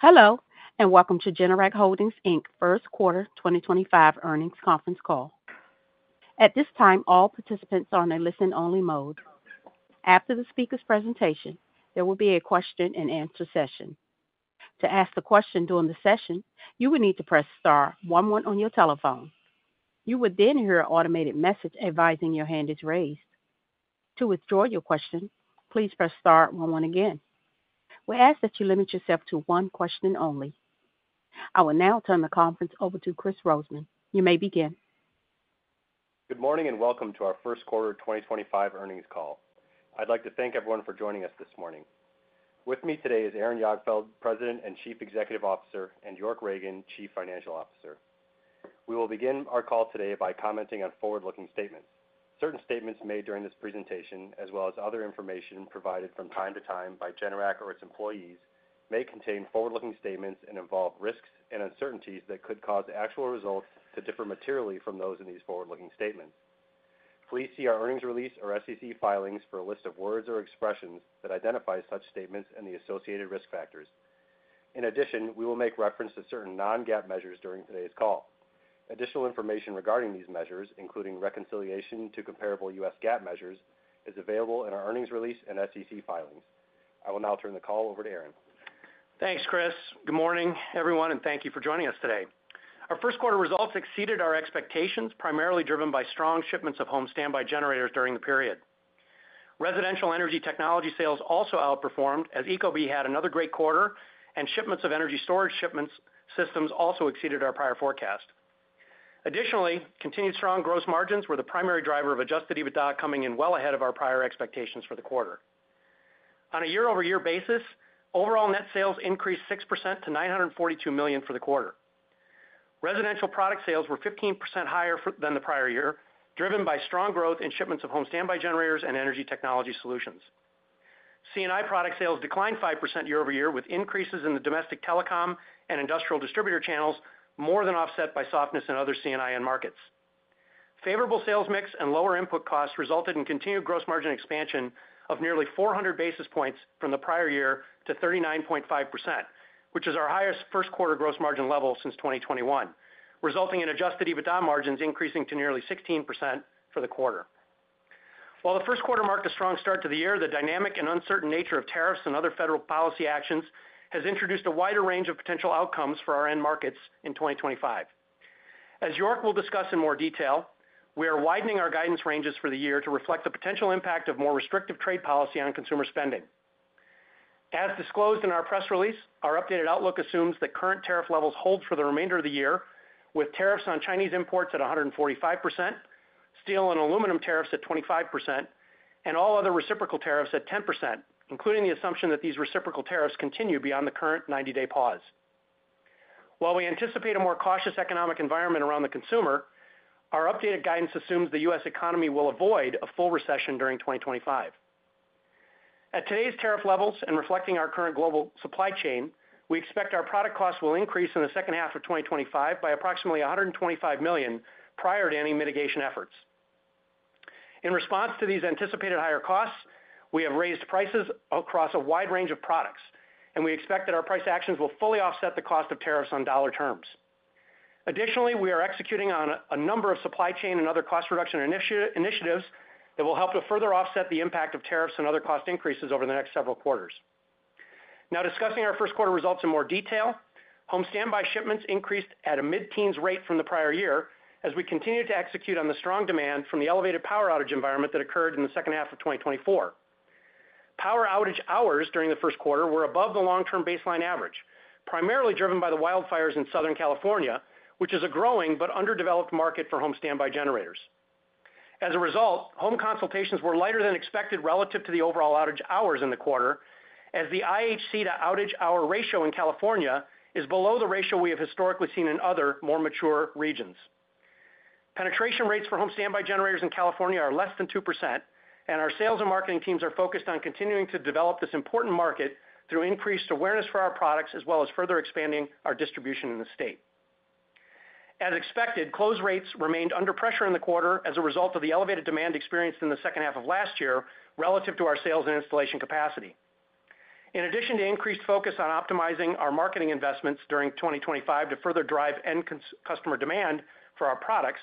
Hello, and welcome to Generac Holdings First Quarter 2025 Earnings Conference Call. At this time, all participants are in a listen-only mode. After the speaker's presentation, there will be a question-and-answer session. To ask a question during the session, you will need to press star one one on your telephone. You will then hear an automated message advising your hand is raised. To withdraw your question, please press star one one again. We ask that you limit yourself to one question only. I will now turn the conference over to Kris Rosemann. You may begin. Good morning and welcome to our First Quarter 2025 Earnings Call. I'd like to thank everyone for joining us this morning. With me today is Aaron Jagdfeld, President and Chief Executive Officer, and York Ragen, Chief Financial Officer. We will begin our call today by commenting on forward-looking statements. Certain statements made during this presentation, as well as other information provided from time to time by Generac or its employees, may contain forward-looking statements and involve risks and uncertainties that could cause actual results to differ materially from those in these forward-looking statements. Please see our earnings release or SEC filings for a list of words or expressions that identify such statements and the associated risk factors. In addition, we will make reference to certain non-GAAP measures during today's call. Additional information regarding these measures, including reconciliation to comparable U.S. GAAP measures, is available in our earnings release and SEC filings. I will now turn the call over to Aaron. Thanks, Kris. Good morning, everyone, and thank you for joining us today. Our first quarter results exceeded our expectations, primarily driven by strong shipments of home standby generators during the period. Residential Energy Technology sales also outperformed, as ecobee had another great quarter, and shipments of energy storage systems also exceeded our prior forecast. Additionally, continued strong gross margins were the primary driver of adjusted EBITDA, coming in well ahead of our prior expectations for the quarter. On a year-over-year basis, overall net sales increased 6% to $942 million for the quarter. Residential product sales were 15% higher than the prior year, driven by strong growth in shipments of home standby generators and Energy Technology solutions. C&I product sales declined 5% year-over-year, with increases in the domestic telecom and industrial distributor channels more than offset by softness in other C&I markets. Favorable sales mix and lower input costs resulted in continued gross margin expansion of nearly 400 basis points from the prior year to 39.5%, which is our highest first quarter gross margin level since 2021, resulting in adjusted EBITDA margins increasing to nearly 16% for the quarter. While the first quarter marked a strong start to the year, the dynamic and uncertain nature of tariffs and other federal policy actions has introduced a wider range of potential outcomes for our end markets in 2025. As York will discuss in more detail, we are widening our guidance ranges for the year to reflect the potential impact of more restrictive trade policy on consumer spending. As disclosed in our press release, our updated outlook assumes that current tariff levels hold for the remainder of the year, with tariffs on Chinese imports at 145%, steel and aluminum tariffs at 25%, and all other reciprocal tariffs at 10%, including the assumption that these reciprocal tariffs continue beyond the current 90-day pause. While we anticipate a more cautious economic environment around the consumer, our updated guidance assumes the U.S. economy will avoid a full recession during 2025. At today's tariff levels and reflecting our current global supply chain, we expect our product costs will increase in the second half of 2025 by approximately $125 million prior to any mitigation efforts. In response to these anticipated higher costs, we have raised prices across a wide range of products, and we expect that our price actions will fully offset the cost of tariffs on dollar terms. Additionally, we are executing on a number of supply chain and other cost reduction initiatives that will help to further offset the impact of tariffs and other cost increases over the next several quarters. Now, discussing our first quarter results in more detail, home standby shipments increased at a mid-teens rate from the prior year as we continue to execute on the strong demand from the elevated power outage environment that occurred in the second half of 2024. Power outage hours during the first quarter were above the long-term baseline average, primarily driven by the wildfires in Southern California, which is a growing but underdeveloped market for home standby generators. As a result, home consultations were lighter than expected relative to the overall outage hours in the quarter, as the IHC to outage hour ratio in California is below the ratio we have historically seen in other, more mature regions. Penetration rates for home standby generators in California are less than 2%, and our sales and marketing teams are focused on continuing to develop this important market through increased awareness for our products as well as further expanding our distribution in the state. As expected, close rates remained under pressure in the quarter as a result of the elevated demand experienced in the second half of last year relative to our sales and installation capacity. In addition to increased focus on optimizing our marketing investments during 2025 to further drive end customer demand for our products,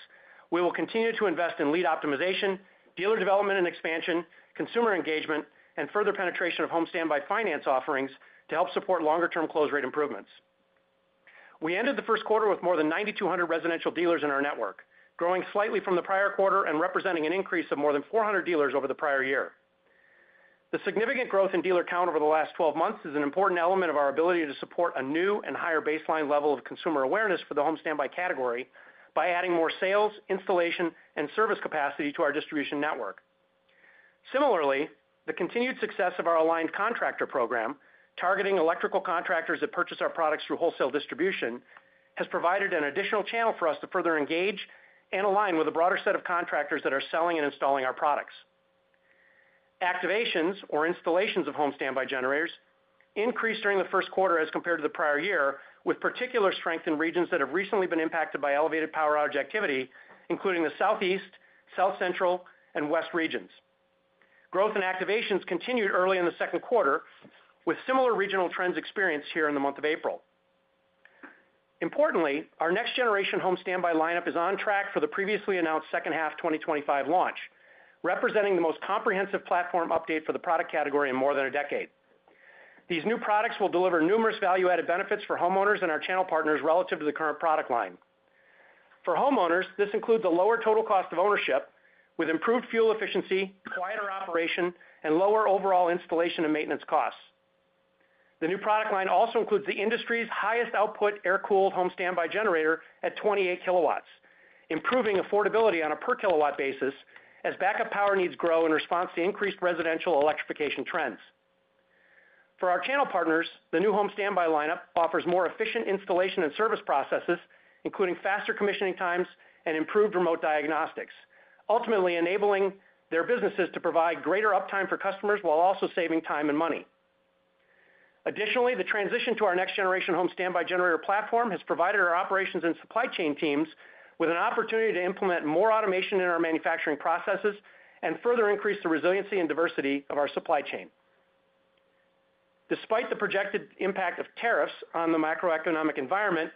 we will continue to invest in lead optimization, dealer development and expansion, consumer engagement, and further penetration of home standby finance offerings to help support longer-term close rate improvements. We ended the first quarter with more than 9,200 residential dealers in our network, growing slightly from the prior quarter and representing an increase of more than 400 dealers over the prior year. The significant growth in dealer count over the last 12 months is an important element of our ability to support a new and higher baseline level of consumer awareness for the home standby category by adding more sales, installation, and service capacity to our distribution network. Similarly, the continued success of our Aligned Contractor Program, targeting electrical contractors that purchase our products through wholesale distribution, has provided an additional channel for us to further engage and align with a broader set of contractors that are selling and installing our products. Activations, or installations of home standby generators, increased during the first quarter as compared to the prior year, with particular strength in regions that have recently been impacted by elevated power outage activity, including the Southeast, South Central, and West regions. Growth in activations continued early in the second quarter, with similar regional trends experienced here in the month of April. Importantly, our next-generation home standby lineup is on track for the previously announced second half 2025 launch, representing the most comprehensive platform update for the product category in more than a decade. These new products will deliver numerous value-added benefits for homeowners and our channel partners relative to the current product line. For homeowners, this includes a lower total cost of ownership, with improved fuel efficiency, quieter operation, and lower overall installation and maintenance costs. The new product line also includes the industry's highest output air-cooled home standby generator at 28 kW, improving affordability on a per-kilowatt basis as backup power needs grow in response to increased residential electrification trends. For our channel partners, the new home standby lineup offers more efficient installation and service processes, including faster commissioning times and improved remote diagnostics, ultimately enabling their businesses to provide greater uptime for customers while also saving time and money. Additionally, the transition to our next-generation home standby generator platform has provided our operations and supply chain teams with an opportunity to implement more automation in our manufacturing processes and further increase the resiliency and diversity of our supply chain. Despite the projected impact of tariffs on the macroeconomic environment,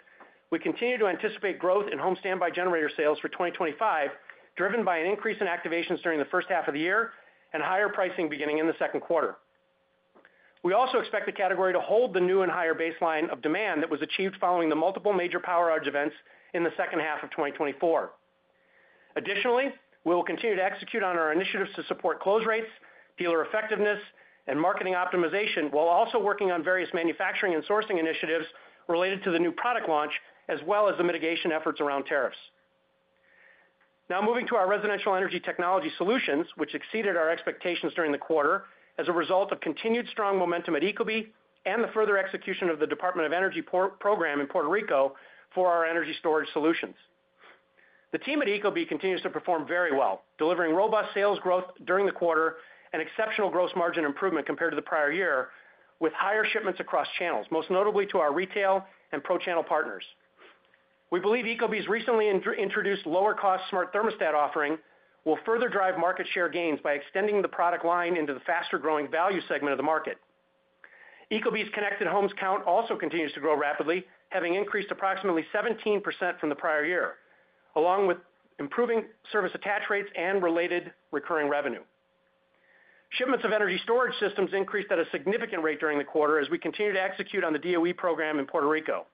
we continue to anticipate growth in home standby generator sales for 2025, driven by an increase in activations during the first half of the year and higher pricing beginning in the second quarter. We also expect the category to hold the new and higher baseline of demand that was achieved following the multiple major power outage events in the second half of 2024. Additionally, we will continue to execute on our initiatives to support close rates, dealer effectiveness, and marketing optimization, while also working on various manufacturing and sourcing initiatives related to the new product launch, as well as the mitigation efforts around tariffs. Now moving to our Residential Energy Technology solutions, which exceeded our expectations during the quarter as a result of continued strong momentum at ecobee and the further execution of the Department of Energy program in Puerto Rico for our energy storage solutions. The team at ecobee continues to perform very well, delivering robust sales growth during the quarter and exceptional gross margin improvement compared to the prior year, with higher shipments across channels, most notably to our retail and Pro channel partners. We believe ecobee's recently introduced lower-cost smart thermostat offering will further drive market share gains by extending the product line into the faster-growing value segment of the market. Ecobee's connected homes count also continues to grow rapidly, having increased approximately 17% from the prior year, along with improving service attach rates and related recurring revenue. Shipments of energy storage systems increased at a significant rate during the quarter as we continue to execute on the DOE program in Puerto Rico.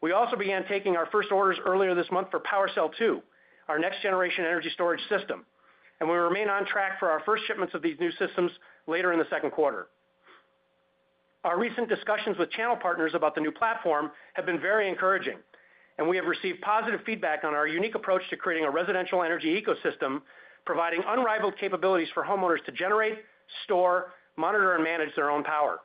We also began taking our first orders earlier this month for PWRcell 2, our next-generation energy storage system, and we remain on track for our first shipments of these new systems later in the second quarter. Our recent discussions with channel partners about the new platform have been very encouraging, and we have received positive feedback on our unique approach to creating a residential energy ecosystem, providing unrivaled capabilities for homeowners to generate, store, monitor, and manage their own power.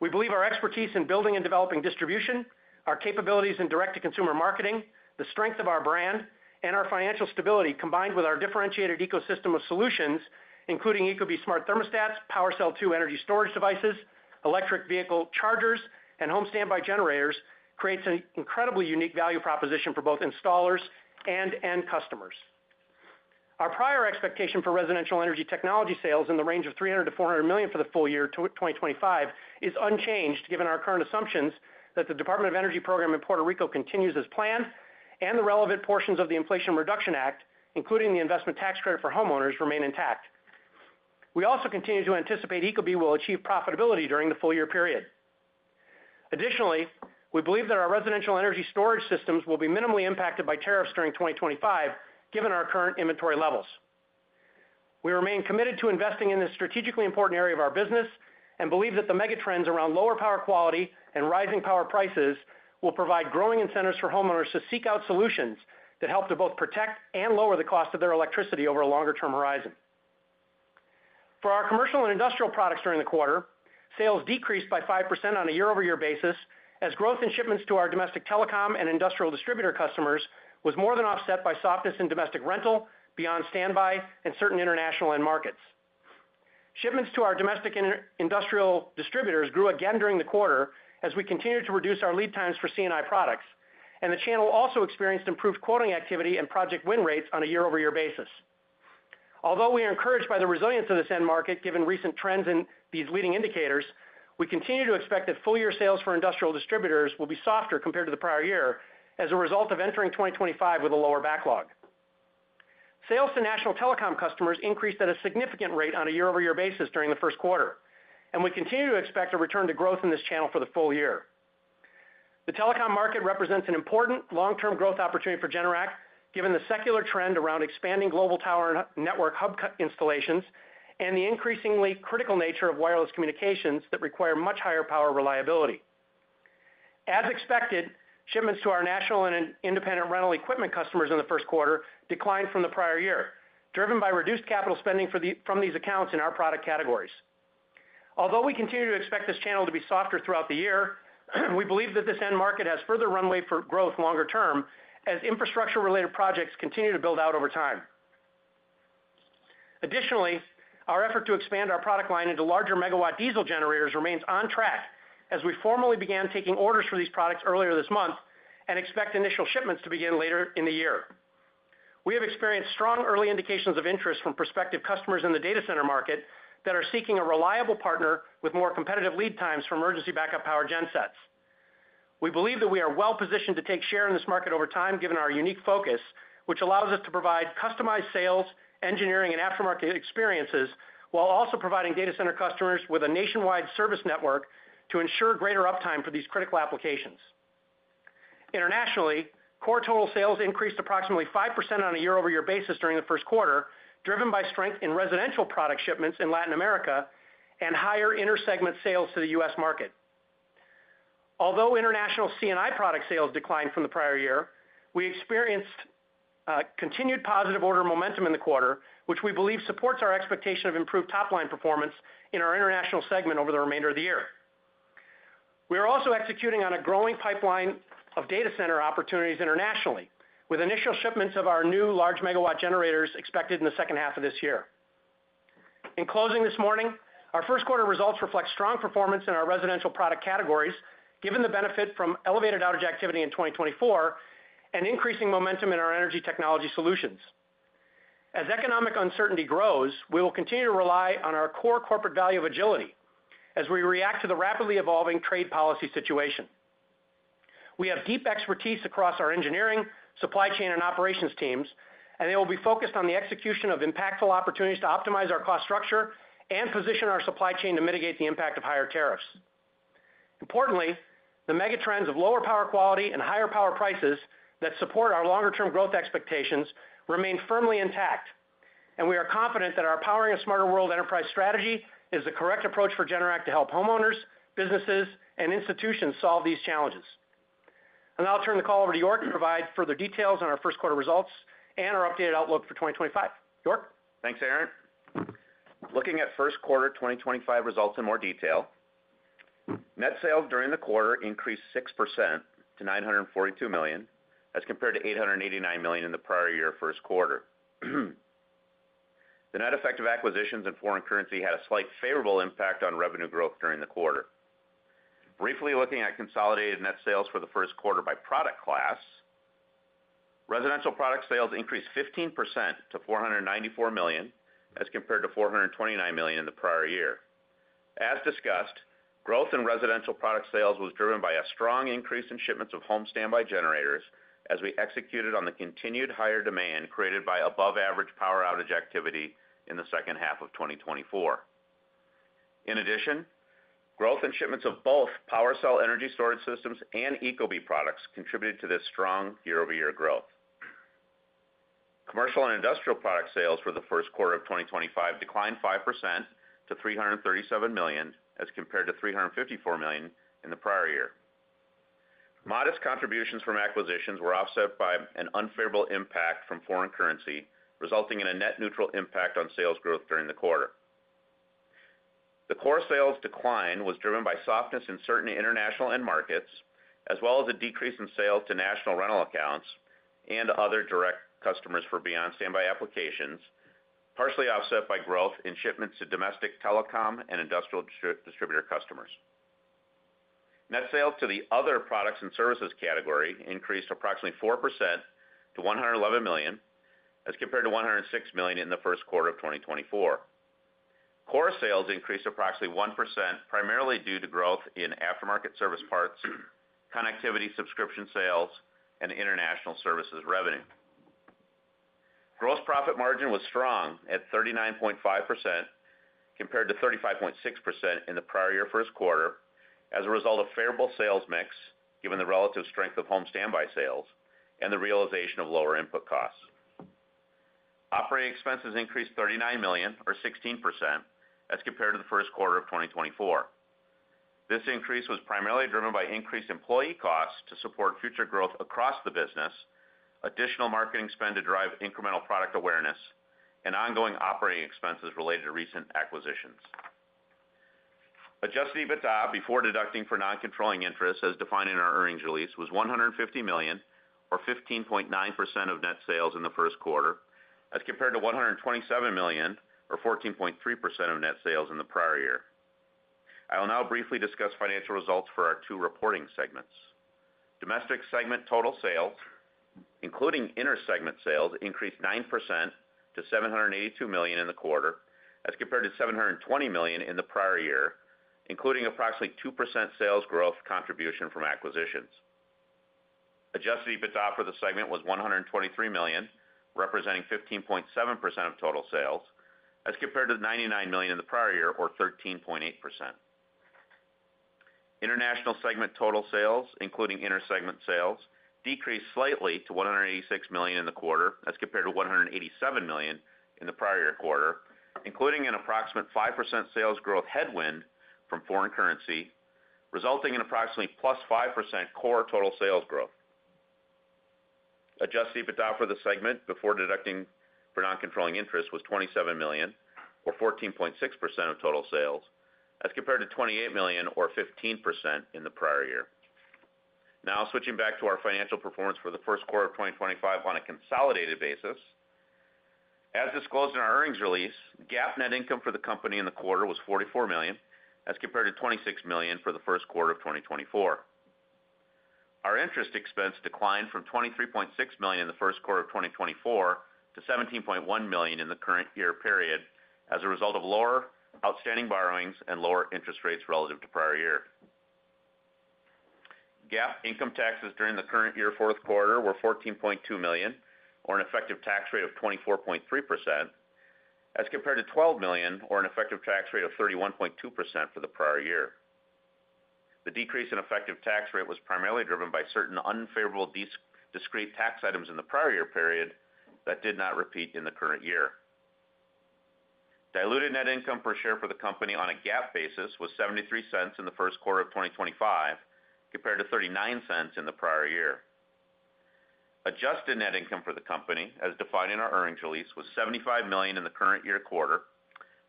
We believe our expertise in building and developing distribution, our capabilities in direct-to-consumer marketing, the strength of our brand, and our financial stability, combined with our differentiated ecosystem of solutions, including ecobee smart thermostats, PWRcell 2 energy storage devices, electric vehicle chargers, and home standby generators, creates an incredibly unique value proposition for both installers and end customers. Our prior expectation for Residential Energy Technology sales in the range of $300 million-$400 million for the full year to 2025 is unchanged, given our current assumptions that the Department of Energy program in Puerto Rico continues as planned and the relevant portions of the Inflation Reduction Act, including the Investment Tax Credit for homeowners, remain intact. We also continue to anticipate ecobee will achieve profitability during the full year period. Additionally, we believe that our residential energy storage systems will be minimally impacted by tariffs during 2025, given our current inventory levels. We remain committed to investing in this strategically important area of our business and believe that the megatrends around lower power quality and rising power prices will provide growing incentives for homeowners to seek out solutions that help to both protect and lower the cost of their electricity over a longer-term horizon. For our commercial and industrial products during the quarter, sales decreased by 5% on a year-over-year basis as growth in shipments to our domestic telecom and industrial distributor customers was more than offset by softness in domestic rental, Beyond Standby, and certain international end markets. Shipments to our domestic industrial distributors grew again during the quarter as we continued to reduce our lead times for C&I products, and the channel also experienced improved quoting activity and project win rates on a year-over-year basis. Although we are encouraged by the resilience of this end market, given recent trends in these leading indicators, we continue to expect that full-year sales for industrial distributors will be softer compared to the prior year as a result of entering 2025 with a lower backlog. Sales to national telecom customers increased at a significant rate on a year-over-year basis during the first quarter, and we continue to expect a return to growth in this channel for the full year. The telecom market represents an important long-term growth opportunity for Generac, given the secular trend around expanding global power network hub installations and the increasingly critical nature of wireless communications that require much higher power reliability. As expected, shipments to our national and independent rental equipment customers in the first quarter declined from the prior year, driven by reduced capital spending from these accounts in our product categories. Although we continue to expect this channel to be softer throughout the year, we believe that this end market has further runway for growth longer-term as infrastructure-related projects continue to build out over time. Additionally, our effort to expand our product line into larger megawatt diesel generators remains on track as we formally began taking orders for these products earlier this month and expect initial shipments to begin later in the year. We have experienced strong early indications of interest from prospective customers in the data center market that are seeking a reliable partner with more competitive lead times for emergency backup power gensets. We believe that we are well-positioned to take share in this market over time, given our unique focus, which allows us to provide customized sales, engineering, and aftermarket experiences, while also providing data center customers with a nationwide service network to ensure greater uptime for these critical applications. Internationally, core total sales increased approximately 5% on a year-over-year basis during the first quarter, driven by strength in residential product shipments in Latin America and higher inter-segment sales to the U.S. market. Although international C&I product sales declined from the prior year, we experienced continued positive order momentum in the quarter, which we believe supports our expectation of improved top-line performance in our international segment over the remainder of the year. We are also executing on a growing pipeline of data center opportunities internationally, with initial shipments of our new large megawatt generators expected in the second half of this year. In closing this morning, our first quarter results reflect strong performance in our residential product categories, given the benefit from elevated outage activity in 2024 and increasing momentum in our Energy Technology solutions. As economic uncertainty grows, we will continue to rely on our core corporate value of agility as we react to the rapidly evolving trade policy situation. We have deep expertise across our engineering, supply chain, and operations teams, and they will be focused on the execution of impactful opportunities to optimize our cost structure and position our supply chain to mitigate the impact of higher tariffs. Importantly, the megatrends of lower power quality and higher power prices that support our longer-term growth expectations remain firmly intact, and we are confident that our Powering a Smarter World enterprise strategy is the correct approach for Generac to help homeowners, businesses, and institutions solve these challenges. Now I'll turn the call over to York to provide further details on our first quarter results and our updated outlook for 2025. York? Thanks, Aaron. Looking at first quarter 2025 results in more detail, net sales during the quarter increased 6% to $942 million as compared to $889 million in the prior year first quarter. The net effect of acquisitions in foreign currency had a slight favorable impact on revenue growth during the quarter. Briefly looking at consolidated net sales for the first quarter by product class, residential product sales increased 15% to $494 million as compared to $429 million in the prior year. As discussed, growth in residential product sales was driven by a strong increase in shipments of home standby generators as we executed on the continued higher demand created by above-average power outage activity in the second half of 2024. In addition, growth in shipments of both PWRcell energy storage systems and ecobee products contributed to this strong year-over-year growth. Commercial and industrial product sales for the first quarter of 2025 declined 5% to $337 million as compared to $354 million in the prior year. Modest contributions from acquisitions were offset by an unfavorable impact from foreign currency, resulting in a net neutral impact on sales growth during the quarter. The core sales decline was driven by softness in certain international end markets, as well as a decrease in sales to national rental accounts and other direct customers for Beyond Standby applications, partially offset by growth in shipments to domestic telecom and industrial distributor customers. Net sales to the other products and services category increased approximately 4% to $111 million as compared to $106 million in the first quarter of 2024. Core sales increased approximately 1%, primarily due to growth in aftermarket service parts, connectivity subscription sales, and international services revenue. Gross profit margin was strong at 39.5% compared to 35.6% in the prior year first quarter as a result of favorable sales mix, given the relative strength of home standby sales and the realization of lower input costs. Operating expenses increased $39 million, or 16%, as compared to the first quarter of 2024. This increase was primarily driven by increased employee costs to support future growth across the business, additional marketing spend to drive incremental product awareness, and ongoing operating expenses related to recent acquisitions. Adjusted EBITDA before deducting for non-controlling interest, as defined in our earnings release, was $150 million, or 15.9% of net sales in the first quarter, as compared to $127 million, or 14.3% of net sales in the prior year. I will now briefly discuss financial results for our two reporting segments. Domestic segment total sales, including inter-segment sales, increased 9% to $782 million in the quarter, as compared to $720 million in the prior year, including approximately 2% sales growth contribution from acquisitions. Adjusted EBITDA for the segment was $123 million, representing 15.7% of total sales, as compared to $99 million in the prior year, or 13.8%. International segment total sales, including inter-segment sales, decreased slightly to $186 million in the quarter, as compared to $187 million in the prior year quarter, including an approximate 5% sales growth headwind from foreign currency, resulting in approximately plus 5% core total sales growth. Adjusted EBITDA for the segment before deducting for non-controlling interest was $27 million, or 14.6% of total sales, as compared to $28 million, or 15% in the prior year. Now, switching back to our financial performance for the first quarter of 2025 on a consolidated basis. As disclosed in our earnings release, GAAP net income for the company in the quarter was $44 million, as compared to $26 million for the first quarter of 2024. Our interest expense declined from $23.6 million in the first quarter of 2024 to $17.1 million in the current year period as a result of lower outstanding borrowings and lower interest rates relative to prior year. GAAP income taxes during the current year fourth quarter were $14.2 million, or an effective tax rate of 24.3%, as compared to $12 million, or an effective tax rate of 31.2% for the prior year. The decrease in effective tax rate was primarily driven by certain unfavorable discrete tax items in the prior year period that did not repeat in the current year. Diluted net income per share for the company on a GAAP basis was $0.73 in the first quarter of 2025, compared to $0.39 in the prior year. Adjusted net income for the company, as defined in our earnings release, was $75 million in the current year quarter,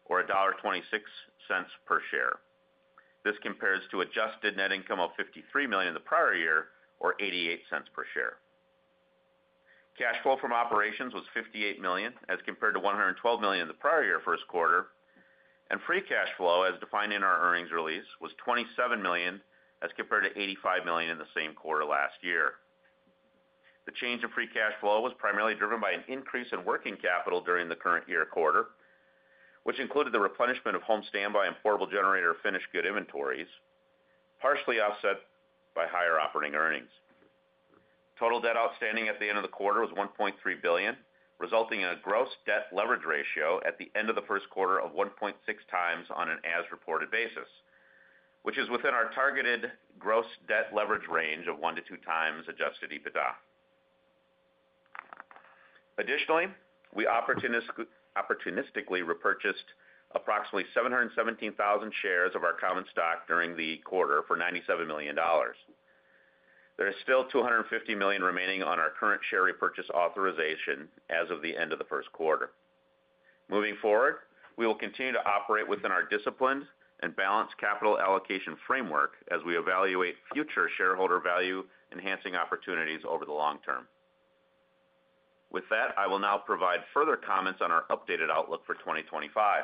or $1.26 per share. This compares to adjusted net income of $53 million in the prior year, or $0.88 per share. Cash flow from operations was $58 million, as compared to $112 million in the prior year first quarter, and free cash flow, as defined in our earnings release, was $27 million, as compared to $85 million in the same quarter last year. The change in free cash flow was primarily driven by an increase in working capital during the current year quarter, which included the replenishment of home standby and portable generator finished good inventories, partially offset by higher operating earnings. Total debt outstanding at the end of the quarter was $1.3 billion, resulting in a gross debt leverage ratio at the end of the first quarter of 1.6x on an as-reported basis, which is within our targeted gross debt leverage range of one to 2x adjusted EBITDA. Additionally, we opportunistically repurchased approximately 717,000 shares of our common stock during the quarter for $97 million. There is still $250 million remaining on our current share repurchase authorization as of the end of the first quarter. Moving forward, we will continue to operate within our disciplined and balanced capital allocation framework as we evaluate future shareholder value enhancing opportunities over the long term. With that, I will now provide further comments on our updated outlook for 2025.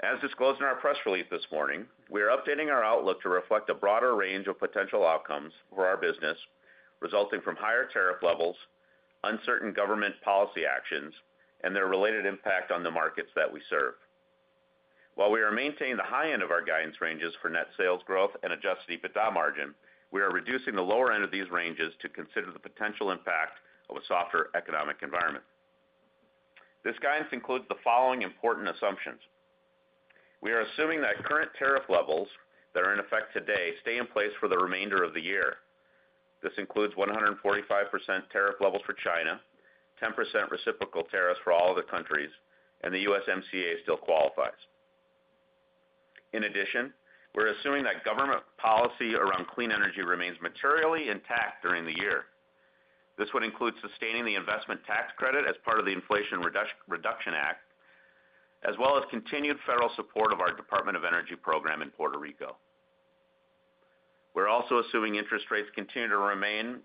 As disclosed in our press release this morning, we are updating our outlook to reflect a broader range of potential outcomes for our business resulting from higher tariff levels, uncertain government policy actions, and their related impact on the markets that we serve. While we are maintaining the high end of our guidance ranges for net sales growth and adjusted EBITDA margin, we are reducing the lower end of these ranges to consider the potential impact of a softer economic environment. This guidance includes the following important assumptions. We are assuming that current tariff levels that are in effect today stay in place for the remainder of the year. This includes 145% tariff levels for China, 10% reciprocal tariffs for all other countries, and the USMCA still qualifies. In addition, we're assuming that government policy around clean energy remains materially intact during the year. This would include sustaining the Investment Tax Credit as part of the Inflation Reduction Act, as well as continued federal support of our Department of Energy program in Puerto Rico. We're also assuming interest rates continue to remain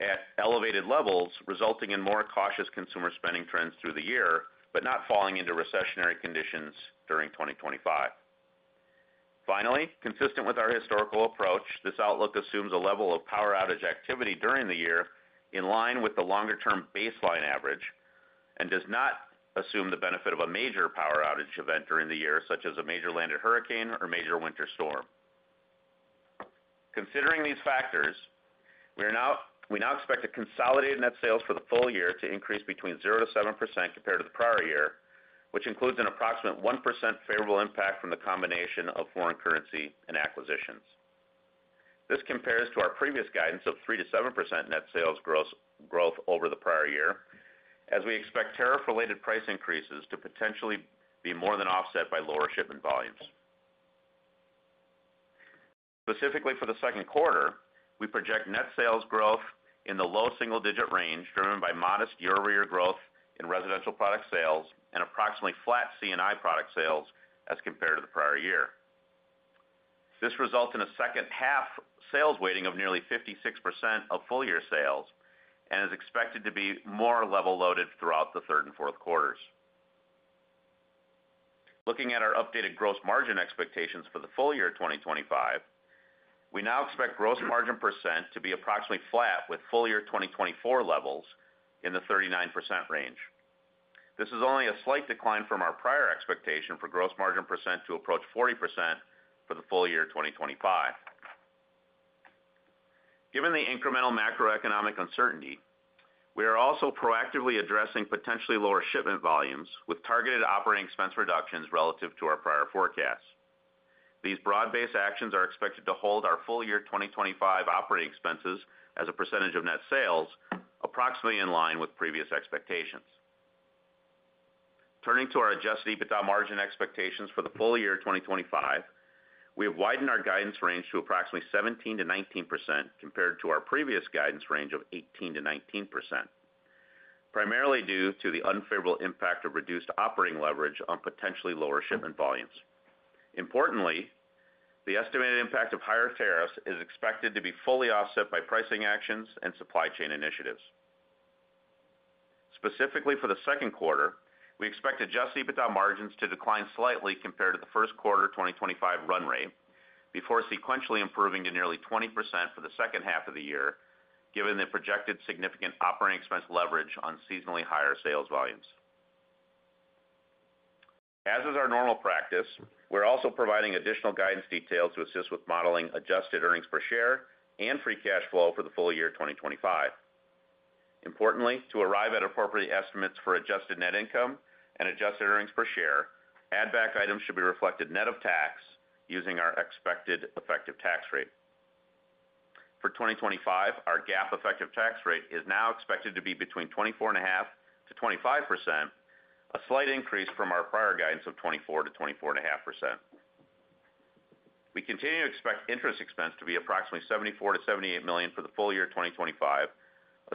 at elevated levels, resulting in more cautious consumer spending trends through the year, but not falling into recessionary conditions during 2025. Finally, consistent with our historical approach, this outlook assumes a level of power outage activity during the year in line with the longer-term baseline average and does not assume the benefit of a major power outage event during the year, such as a major landed hurricane or major winter storm. Considering these factors, we now expect consolidated net sales for the full year to increase between 0%-7% compared to the prior year, which includes an approximate 1% favorable impact from the combination of foreign currency and acquisitions. This compares to our previous guidance of 3%-7% net sales growth over the prior year, as we expect tariff-related price increases to potentially be more than offset by lower shipment volumes. Specifically for the second quarter, we project net sales growth in the low single-digit range, driven by modest year-over-year growth in residential product sales and approximately flat C&I product sales as compared to the prior year. This results in a second-half sales weighting of nearly 56% of full-year sales and is expected to be more level loaded throughout the third and fourth quarters. Looking at our updated gross margin expectations for the full year 2025, we now expect gross margin percent to be approximately flat with full year 2024 levels in the 39% range. This is only a slight decline from our prior expectation for gross margin percent to approach 40% for the full year 2025. Given the incremental macroeconomic uncertainty, we are also proactively addressing potentially lower shipment volumes with targeted operating expense reductions relative to our prior forecasts. These broad-based actions are expected to hold our full year 2025 operating expenses as a percentage of net sales, approximately in line with previous expectations. Turning to our adjusted EBITDA margin expectations for the full year 2025, we have widened our guidance range to approximately 17%-19% compared to our previous guidance range of 18%-19%, primarily due to the unfavorable impact of reduced operating leverage on potentially lower shipment volumes. Importantly, the estimated impact of higher tariffs is expected to be fully offset by pricing actions and supply chain initiatives. Specifically for the second quarter, we expect adjusted EBITDA margins to decline slightly compared to the first quarter 2025 run rate before sequentially improving to nearly 20% for the second half of the year, given the projected significant operating expense leverage on seasonally higher sales volumes. As is our normal practice, we're also providing additional guidance details to assist with modeling adjusted earnings per share and free cash flow for the full year 2025. Importantly, to arrive at appropriate estimates for adjusted net income and adjusted earnings per share, add-back items should be reflected net of tax using our expected effective tax rate. For 2025, our GAAP effective tax rate is now expected to be between 24.5%-25%, a slight increase from our prior guidance of 24%-24.5%. We continue to expect interest expense to be approximately $74 million-$78 million for the full year 2025,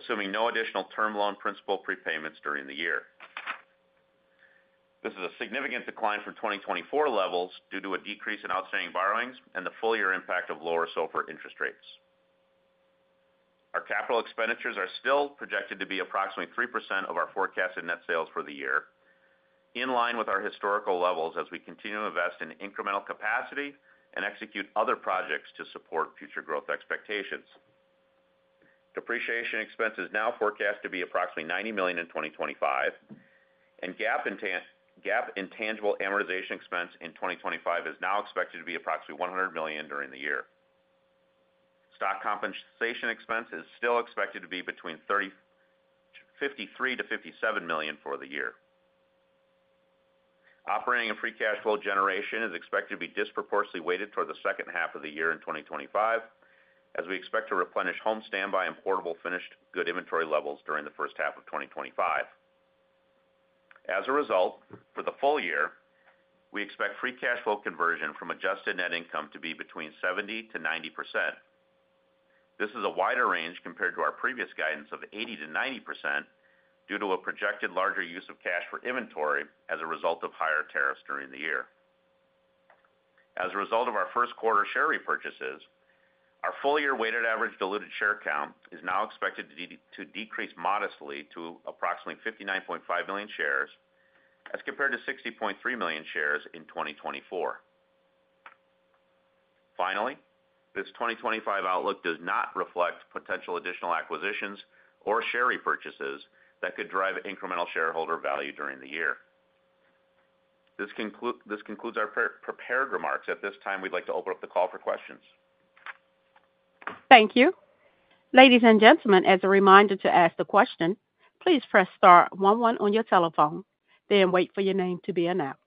assuming no additional term loan principal prepayments during the year. This is a significant decline from 2024 levels due to a decrease in outstanding borrowings and the full year impact of lower SOFR interest rates. Our capital expenditures are still projected to be approximately 3% of our forecasted net sales for the year, in line with our historical levels as we continue to invest in incremental capacity and execute other projects to support future growth expectations. Depreciation expense is now forecast to be approximately $90 million in 2025, and GAAP intangible amortization expense in 2025 is now expected to be approximately $100 million during the year. Stock compensation expense is still expected to be between $53 million-$57 million for the year. Operating and free cash flow generation is expected to be disproportionately weighted toward the second half of the year in 2025, as we expect to replenish home standby and portable finished good inventory levels during the first half of 2025. As a result, for the full year, we expect free cash flow conversion from adjusted net income to be between 70%-90%. This is a wider range compared to our previous guidance of 80%-90% due to a projected larger use of cash for inventory as a result of higher tariffs during the year. As a result of our first quarter share repurchases, our full year weighted average diluted share count is now expected to decrease modestly to approximately 59.5 million shares as compared to 60.3 million shares in 2024. Finally, this 2025 outlook does not reflect potential additional acquisitions or share repurchases that could drive incremental shareholder value during the year. This concludes our prepared remarks. At this time, we'd like to open up the call for questions. Thank you. Ladies and gentlemen, as a reminder to ask the question, please press star one one on your telephone, then wait for your name to be announced.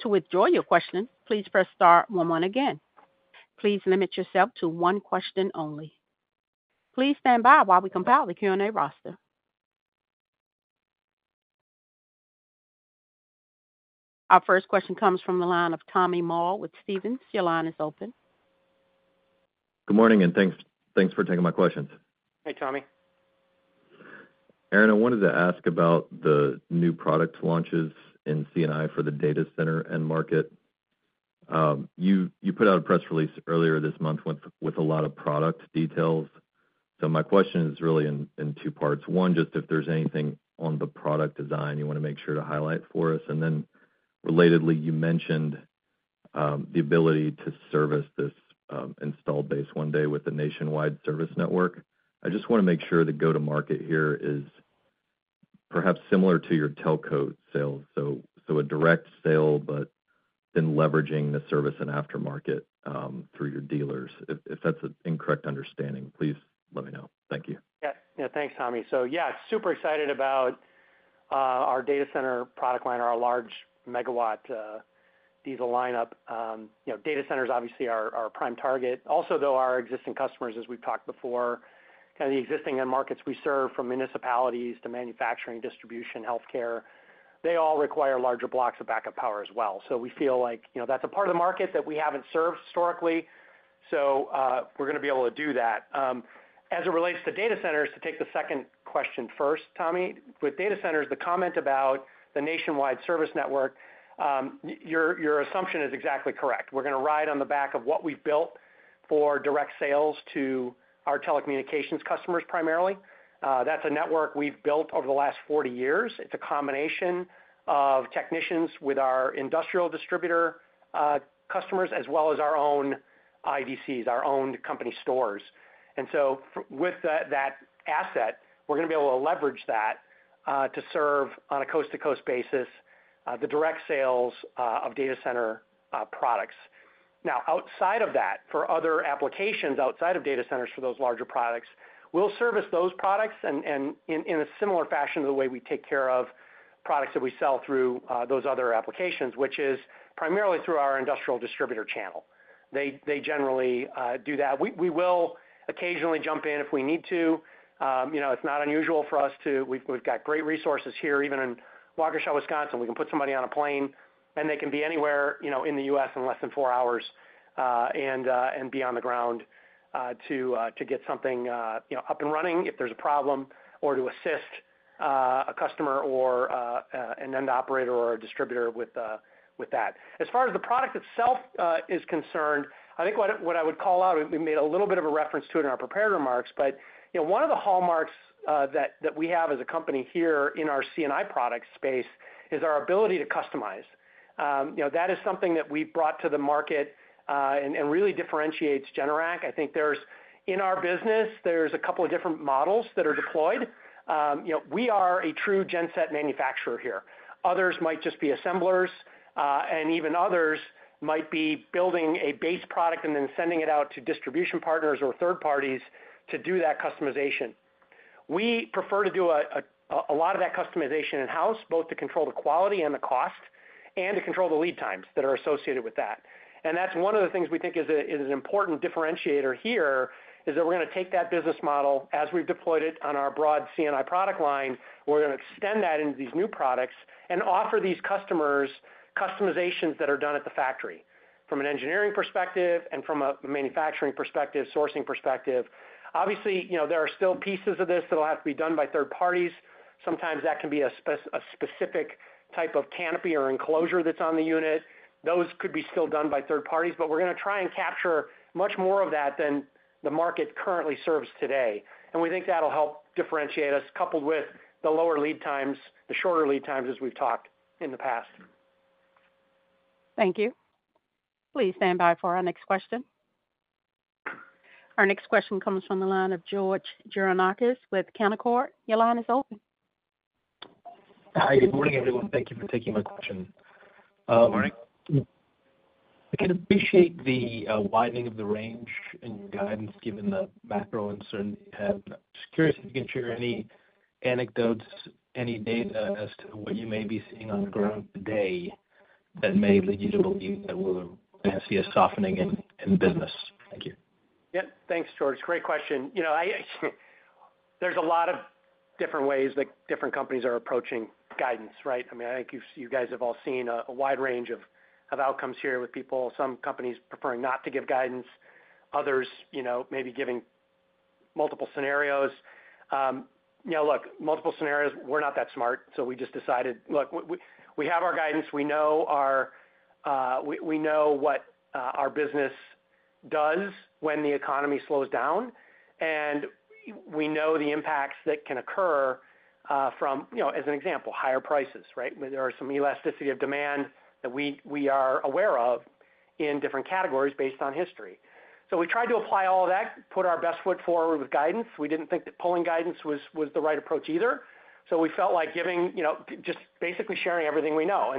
To withdraw your question, please press star one one again. Please limit yourself to one question only. Please stand by while we compile the Q&A roster. Our first question comes from the line of Tommy Moll with Stephens. Your line is open. Good morning, and thanks for taking my questions. Hey, Tommy. Aaron, I wanted to ask about the new product launches in C&I for the data center and market. You put out a press release earlier this month with a lot of product details. My question is really in two parts. One, just if there's anything on the product design you want to make sure to highlight for us. Relatedly, you mentioned the ability to service this installed base one day with a nationwide service network. I just want to make sure the go-to-market here is perhaps similar to your telco sales. A direct sale, but then leveraging the service and aftermarket through your dealers. If that's an incorrect understanding, please let me know. Thank you. Yeah. Thanks, Tommy. Yeah, super excited about our data center product line, our large megawatt diesel lineup. Data centers obviously are our prime target. Also, though, our existing customers, as we've talked before, kind of the existing end markets we serve from municipalities to manufacturing, distribution, healthcare, they all require larger blocks of backup power as well. We feel like that's a part of the market that we haven't served historically. We're going to be able to do that. As it relates to data centers, to take the second question first, Tommy, with data centers, the comment about the nationwide service network, your assumption is exactly correct. We're going to ride on the back of what we've built for direct sales to our telecommunications customers primarily. That's a network we've built over the last 40 years. It's a combination of technicians with our industrial distributor customers as well as our own IDCs, our own company stores. With that asset, we're going to be able to leverage that to serve on a coast-to-coast basis the direct sales of data center products. Now, outside of that, for other applications outside of data centers for those larger products, we'll service those products in a similar fashion to the way we take care of products that we sell through those other applications, which is primarily through our industrial distributor channel. They generally do that. We will occasionally jump in if we need to. It's not unusual for us to. We've got great resources here. Even in Waukesha, Wisconsin, we can put somebody on a plane, and they can be anywhere in the U.S. in less than four hours and be on the ground to get something up and running if there's a problem or to assist a customer or an end operator or a distributor with that. As far as the product itself is concerned, I think what I would call out, we made a little bit of a reference to it in our prepared remarks, but one of the hallmarks that we have as a company here in our C&I product space is our ability to customize. That is something that we brought to the market and really differentiates Generac. I think in our business, there's a couple of different models that are deployed. We are a true genset manufacturer here. Others might just be assemblers, and even others might be building a base product and then sending it out to distribution partners or third parties to do that customization. We prefer to do a lot of that customization in-house, both to control the quality and the cost and to control the lead times that are associated with that. That is one of the things we think is an important differentiator here. We are going to take that business model as we have deployed it on our broad C&I product line. We are going to extend that into these new products and offer these customers customizations that are done at the factory from an engineering perspective and from a manufacturing perspective, sourcing perspective. Obviously, there are still pieces of this that will have to be done by third parties. Sometimes that can be a specific type of canopy or enclosure that is on the unit. Those could still be done by third parties, but we are going to try and capture much more of that than the market currently serves today. We think that will help differentiate us, coupled with the lower lead times, the shorter lead times, as we have talked in the past. Thank you. Please stand by for our next question. Our next question comes from the line of George Gianarikas with Canaccord. Your line is open. Hi. Good morning, everyone. Thank you for taking my question. Good morning. I can appreciate the widening of the range in your guidance given the macro uncertainty you have. Just curious if you can share any anecdotes, any data as to what you may be seeing on the ground today that may lead you to believe that we'll see a softening in business. Thank you. Yep. Thanks, George. Great question. There's a lot of different ways that different companies are approaching guidance, right? I mean, I think you guys have all seen a wide range of outcomes here with people, some companies preferring not to give guidance, others maybe giving multiple scenarios. Look, multiple scenarios, we're not that smart, so we just decided, look, we have our guidance. We know what our business does when the economy slows down, and we know the impacts that can occur from, as an example, higher prices, right? There is some elasticity of demand that we are aware of in different categories based on history. We tried to apply all of that, put our best foot forward with guidance. We did not think that pulling guidance was the right approach either. We felt like just basically sharing everything we know.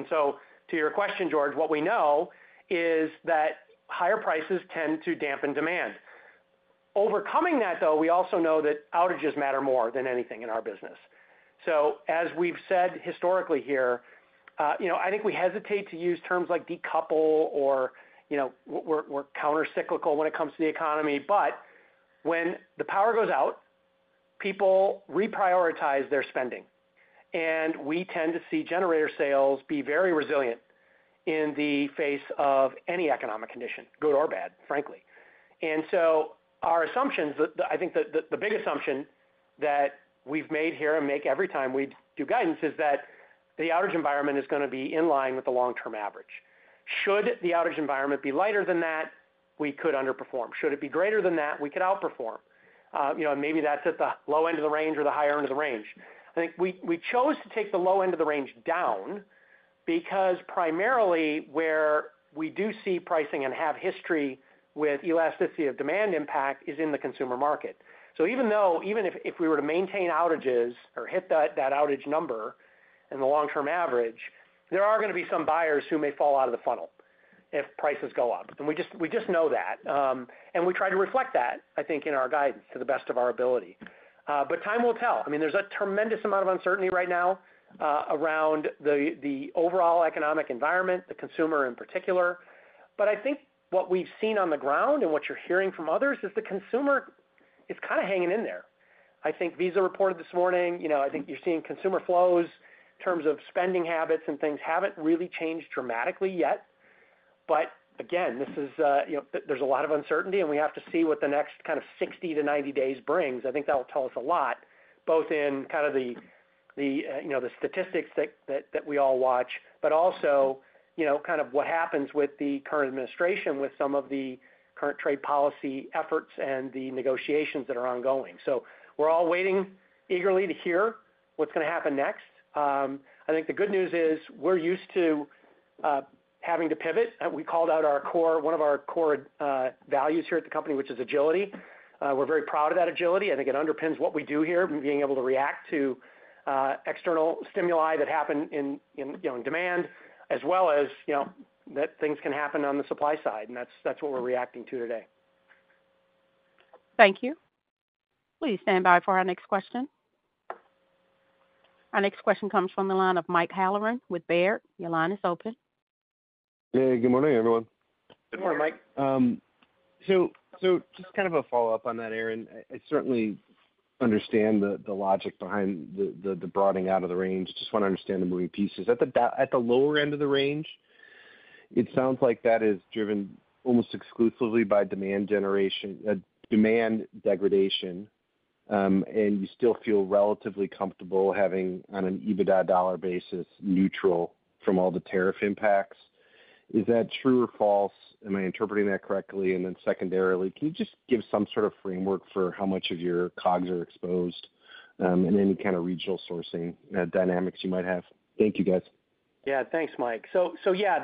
To your question, George, what we know is that higher prices tend to dampen demand. Overcoming that, though, we also know that outages matter more than anything in our business. As we have said historically here, I think we hesitate to use terms like decouple or we are countercyclical when it comes to the economy. When the power goes out, people reprioritize their spending. We tend to see generator sales be very resilient in the face of any economic condition, good or bad, frankly. Our assumptions, I think the big assumption that we have made here and make every time we do guidance is that the outage environment is going to be in line with the long-term average. Should the outage environment be lighter than that, we could underperform. Should it be greater than that, we could outperform. Maybe that is at the low end of the range or the higher end of the range. I think we chose to take the low end of the range down because primarily where we do see pricing and have history with elasticity of demand impact is in the consumer market. Even if we were to maintain outages or hit that outage number and the long-term average, there are going to be some buyers who may fall out of the funnel if prices go up. We just know that. We try to reflect that, I think, in our guidance to the best of our ability. Time will tell. I mean, there's a tremendous amount of uncertainty right now around the overall economic environment, the consumer in particular. I think what we've seen on the ground and what you're hearing from others is the consumer is kind of hanging in there. I think Visa reported this morning. I think you're seeing consumer flows in terms of spending habits and things haven't really changed dramatically yet. Again, there's a lot of uncertainty, and we have to see what the next kind of 60 to 90 days brings. I think that will tell us a lot, both in kind of the statistics that we all watch, but also kind of what happens with the current administration with some of the current trade policy efforts and the negotiations that are ongoing. We're all waiting eagerly to hear what's going to happen next. I think the good news is we're used to having to pivot. We called out one of our core values here at the company, which is agility. We're very proud of that agility. I think it underpins what we do here, being able to react to external stimuli that happen in demand, as well as that things can happen on the supply side. That is what we are reacting to today. Thank you. Please stand by for our next question. Our next question comes from the line of Mike Halloran with Baird. Your line is open. Hey, good morning, everyone. Good morning, Mike. Just kind of a follow-up on that, Aaron. I certainly understand the logic behind the broadening out of the range. I just want to understand the moving pieces. At the lower end of the range, it sounds like that is driven almost exclusively by demand degradation. You still feel relatively comfortable having, on an EBITDA dollar basis, neutral from all the tariff impacts. Is that true or false? Am I interpreting that correctly? Secondarily, can you just give some sort of framework for how much of your COGS are exposed and any kind of regional sourcing dynamics you might have? Thank you, guys. Yeah. Thanks, Mike. The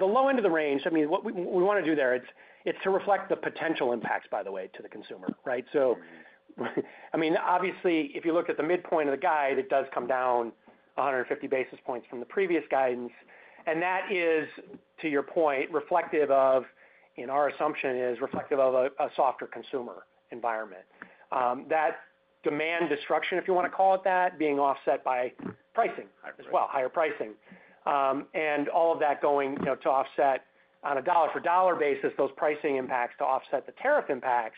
low end of the range, what we want to do there, it is to reflect the potential impacts, by the way, to the consumer, right? Obviously, if you look at the midpoint of the guide, it does come down 150 basis points from the previous guidance. That is, to your point, reflective of, in our assumption, is reflective of a softer consumer environment. That demand destruction, if you want to call it that, being offset by pricing as well, higher pricing. All of that going to offset on a dollar-for-dollar basis, those pricing impacts to offset the tariff impacts.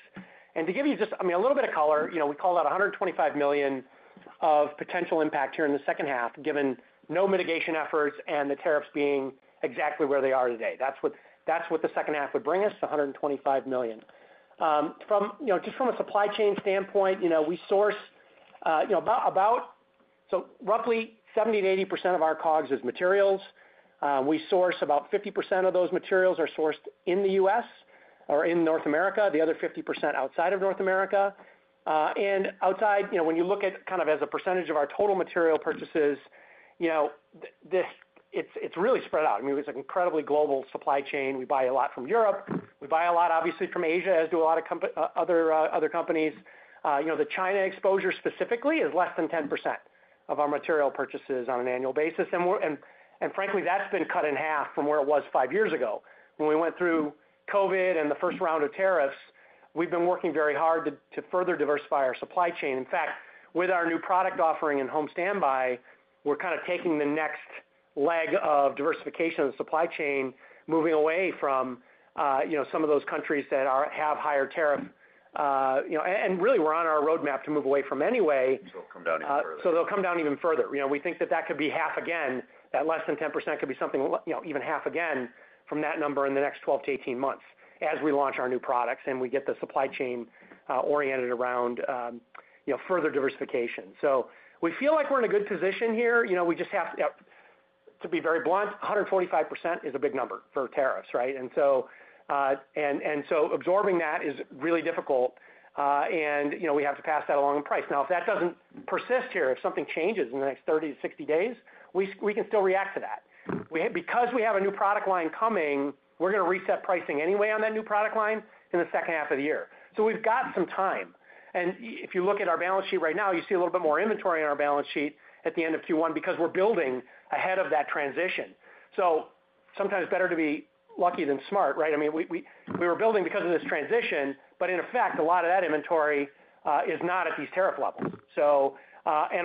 To give you just, I mean, a little bit of color, we call that $125 million of potential impact here in the second half, given no mitigation efforts and the tariffs being exactly where they are today. That is what the second half would bring us, $125 million. Just from a supply chain standpoint, we source about, so roughly 70%-80% of our COGS is materials. We source about 50% of those materials in the U.S. or in North America, the other 50% outside of North America. Outside, when you look at kind of as a percentage of our total material purchases, it is really spread out. I mean, it is an incredibly global supply chain. We buy a lot from Europe. We buy a lot, obviously, from Asia, as do a lot of other companies. The China exposure specifically is less than 10% of our material purchases on an annual basis. Frankly, that's been cut in half from where it was five years ago. When we went through COVID and the first round of tariffs, we've been working very hard to further diversify our supply chain. In fact, with our new product offering in home standby, we're kind of taking the next leg of diversification of the supply chain, moving away from some of those countries that have higher tariff. Really, we're on our roadmap to move away from anyway. It will come down even further. It will come down even further. We think that that could be half again. That less than 10% could be something even half again from that number in the next 12-18 months as we launch our new products and we get the supply chain oriented around further diversification. We feel like we're in a good position here. We just have to, to be very blunt, 125% is a big number for tariffs, right? Absorbing that is really difficult. We have to pass that along in price. Now, if that does not persist here, if something changes in the next 30-60 days, we can still react to that. Because we have a new product line coming, we're going to reset pricing anyway on that new product line in the second half of the year. We've got some time. If you look at our balance sheet right now, you see a little bit more inventory on our balance sheet at the end of Q1 because we're building ahead of that transition. Sometimes better to be lucky than smart, right? I mean, we were building because of this transition, but in effect, a lot of that inventory is not at these tariff levels.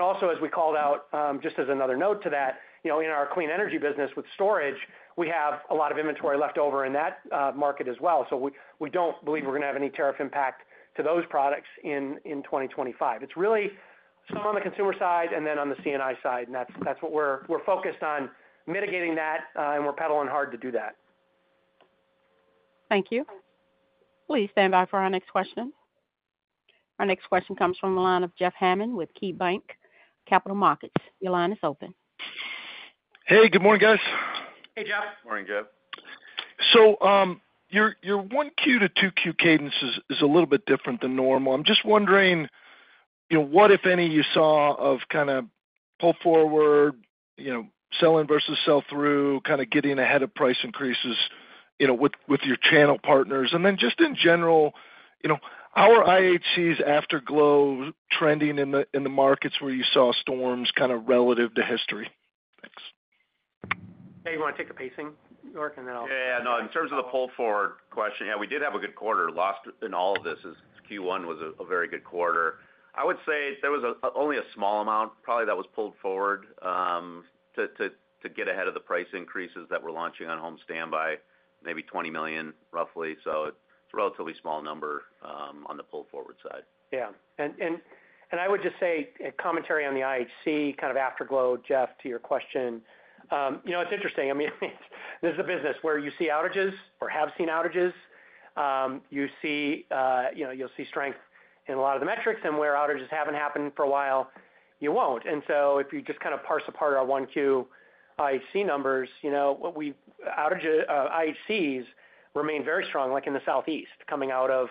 Also, as we called out, just as another note to that, in our clean energy business with storage, we have a lot of inventory left over in that market as well. We do not believe we're going to have any tariff impact to those products in 2025. It is really some on the consumer side and then on the C&I side. That is what we're focused on, mitigating that, and we're pedaling hard to do that. Thank you. Please stand by for our next question. Our next question comes from the line of Jeff Hammond with KeyBanc Capital Markets. Your line is open. Hey, good morning, guys. Hey, Jeff. Morning, Jeff. Your Q1 to Q2 cadence is a little bit different than normal. I'm just wondering what, if any, you saw of kind of pull forward, sell-in versus sell through, kind of getting ahead of price increases with your channel partners. In general, how are IHCs afterglow trending in the markets where you saw storms, kind of relative to history? Thanks. Yeah, you want to take a pacing? York and then I'll. Yeah, no, in terms of the pull forward question, yeah, we did have a good quarter. Lost in all of this is Q1 was a very good quarter. I would say there was only a small amount probably that was pulled forward to get ahead of the price increases that we're launching on home standby, maybe $20 million, roughly. It is a relatively small number on the pull forward side. Yeah. I would just say commentary on the IHC kind of afterglow, Jeff, to your question. It is interesting. I mean, this is a business where you see outages or have seen outages. You will see strength in a lot of the metrics. Where outages have not happened for a while, you will not. If you just kind of parse apart our Q1 IHC numbers, our IHCs remain very strong, like in the Southeast, coming out of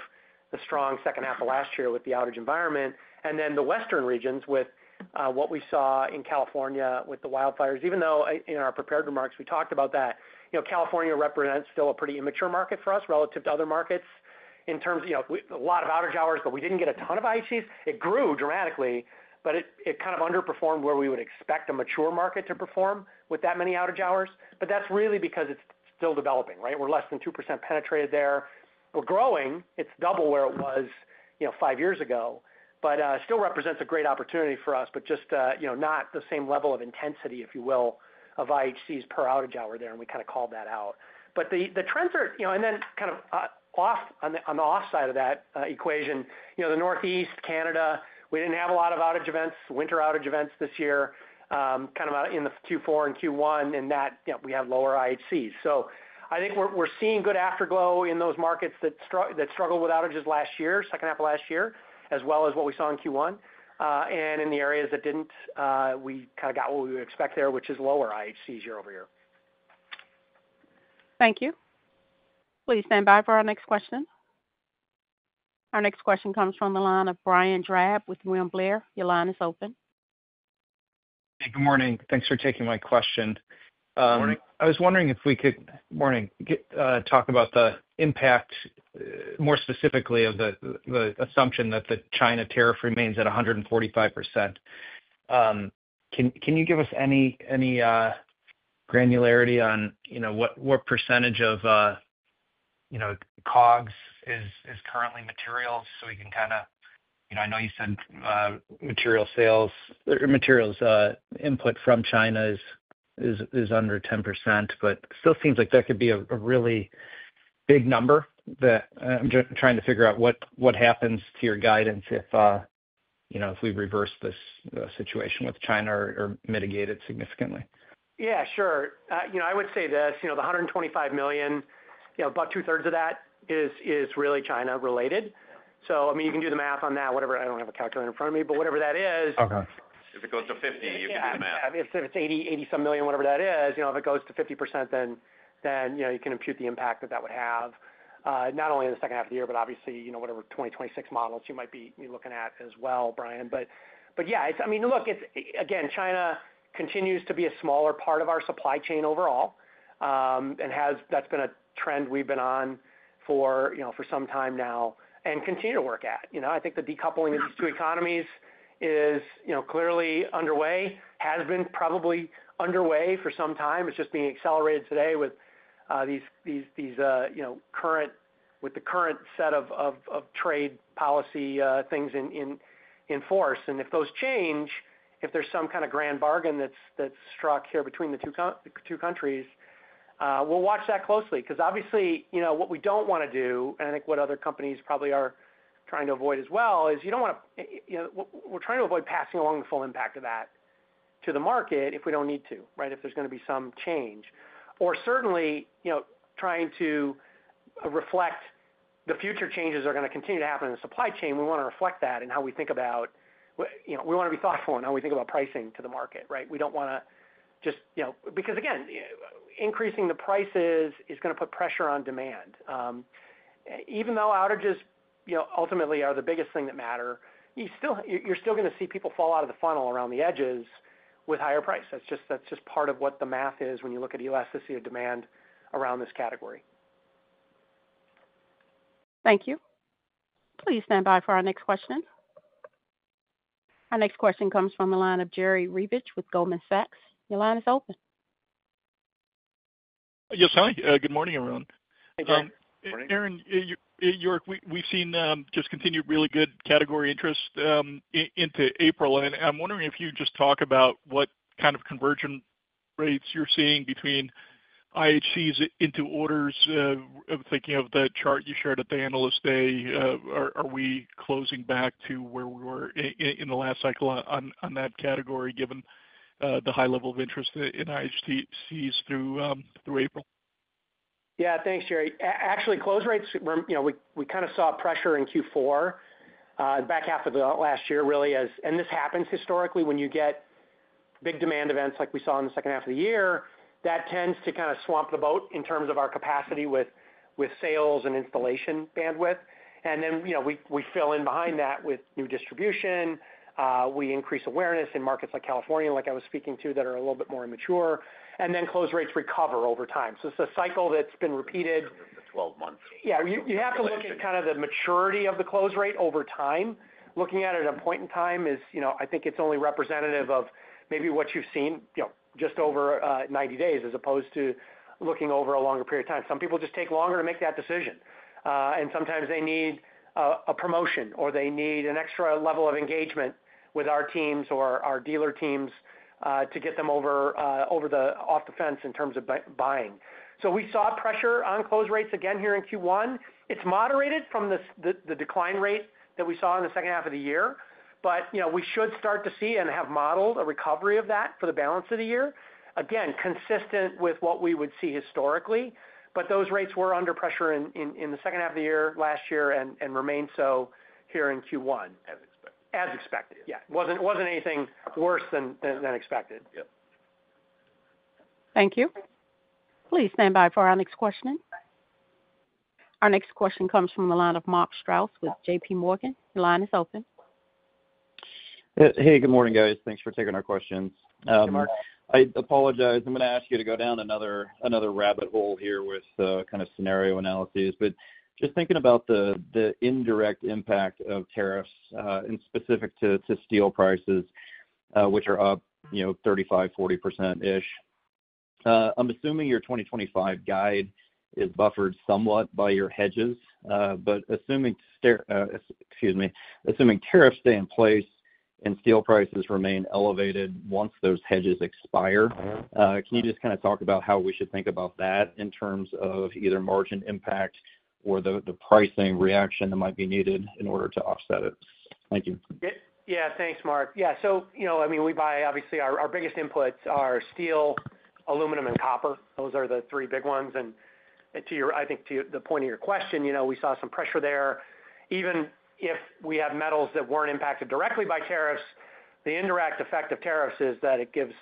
the strong second half of last year with the outage environment. The Western regions with what we saw in California with the wildfires, even though in our prepared remarks, we talked about that. California represents still a pretty immature market for us relative to other markets in terms of a lot of outage hours, but we did not get a ton of IHCs. It grew dramatically, but it kind of underperformed where we would expect a mature market to perform with that many outage hours. That is really because it is still developing, right? We are less than 2% penetrated there. We are growing. It is double where it was five years ago, but still represents a great opportunity for us, just not the same level of intensity, if you will, of IHCs per outage hour there. We kind of called that out. The trends are and then kind of on the off side of that equation, the Northeast, Canada, we did not have a lot of outage events, winter outage events this year, kind of in the Q4 and Q1, and that we had lower IHCs. I think we are seeing good afterglow in those markets that struggled with outages last year, second half of last year, as well as what we saw in Q1. In the areas that did not, we kind of got what we would expect there, which is lower IHCs year over year. Thank you. Please stand by for our next question. Our next question comes from the line of Brian Drab with William Blair. Your line is open. Hey, good morning. Thanks for taking my question. Good morning. I was wondering if we could, morning, talk about the impact, more specifically of the assumption that the China tariff remains at 145%. Can you give us any granularity on what percentage of COGS is currently materials? So we can kind of, I know you said material sales, materials input from China is under 10%, but still seems like that could be a really big number that I'm trying to figure out what happens to your guidance if we reverse this situation with China or mitigate it significantly. Yeah, sure. I would say this, the $125 million, about two-thirds of that is really China-related. I mean, you can do the math on that, whatever. I don't have a calculator in front of me, but whatever that is. If it goes to $50 million, you can do the math. Yeah. If it's $80-some million, whatever that is, if it goes to 50%, then you can impute the impact that that would have, not only in the second half of the year, but obviously whatever 2026 models you might be looking at as well, Brian. Yeah, I mean, look, again, China continues to be a smaller part of our supply chain overall. That's been a trend we've been on for some time now and continue to work at. I think the decoupling of these two economies is clearly underway, has been probably underway for some time. It's just being accelerated today with the current set of trade policy things in force. If those change, if there's some kind of grand bargain that's struck here between the two countries, we'll watch that closely. Because obviously, what we do not want to do, and I think what other companies probably are trying to avoid as well, is you do not want to—we are trying to avoid passing along the full impact of that to the market if we do not need to, right, if there is going to be some change. We are certainly trying to reflect the future changes that are going to continue to happen in the supply chain. We want to reflect that in how we think about—we want to be thoughtful in how we think about pricing to the market, right? We do not want to just—because, again, increasing the prices is going to put pressure on demand. Even though outages ultimately are the biggest thing that matter, you are still going to see people fall out of the funnel around the edges with higher prices. That's just part of what the math is when you look at elasticity of demand around this category. Thank you. Please stand by for our next question. Our next question comes from the line of Jerry Revich with Goldman Sachs. Your line is open. Yes, hi. Good morning, everyone. Hey, Jerry. Aaron, we've seen just continued really good category interest into April. And I'm wondering if you'd just talk about what kind of conversion rates you're seeing between IHCs into orders. Thinking of the chart you shared at the Analyst Day, are we closing back to where we were in the last cycle on that category given the high level of interest in IHCs through April? Yeah, thanks, Jerry. Actually, close rates, we kind of saw pressure in Q4, the back half of last year, really. This happens historically when you get big demand events like we saw in the second half of the year. That tends to kind of swamp the boat in terms of our capacity with sales and installation bandwidth. We fill in behind that with new distribution. We increase awareness in markets like California, like I was speaking to, that are a little bit more immature. Close rates recover over time. It is a cycle that has been repeated. 12 months. You have to look at kind of the maturity of the close rate over time. Looking at it at a point in time is, I think, only representative of maybe what you have seen just over 90 days as opposed to looking over a longer period of time. Some people just take longer to make that decision. Sometimes they need a promotion or they need an extra level of engagement with our teams or our dealer teams to get them off the fence in terms of buying. We saw pressure on close rates again here in Q1. It has moderated from the decline rate that we saw in the second half of the year. We should start to see and have modeled a recovery of that for the balance of the year, consistent with what we would see historically. Those rates were under pressure in the second half of the year last year and remained so here in Q1, as expected. It was not anything worse than expected. Thank you. Please stand by for our next question. Our next question comes from the line of Mark Strouse with JPMorgan Chase & Co. Your line is open. Hey, good morning, guys. Thanks for taking our questions. Hey, Mark. I apologize. I'm going to ask you to go down another rabbit hole here with kind of scenario analyses. Just thinking about the indirect impact of tariffs and specific to steel prices, which are up 35%-40% ish. I'm assuming your 2025 guide is buffered somewhat by your hedges. Assuming tariffs stay in place and steel prices remain elevated once those hedges expire, can you just kind of talk about how we should think about that in terms of either margin impact or the pricing reaction that might be needed in order to offset it? Thank you. Yeah, thanks, Mark. Yeah. I mean, we buy, obviously, our biggest inputs are steel, aluminum, and copper. Those are the three big ones. I think to the point of your question, we saw some pressure there. Even if we have metals that were not impacted directly by tariffs, the indirect effect of tariffs is that it gives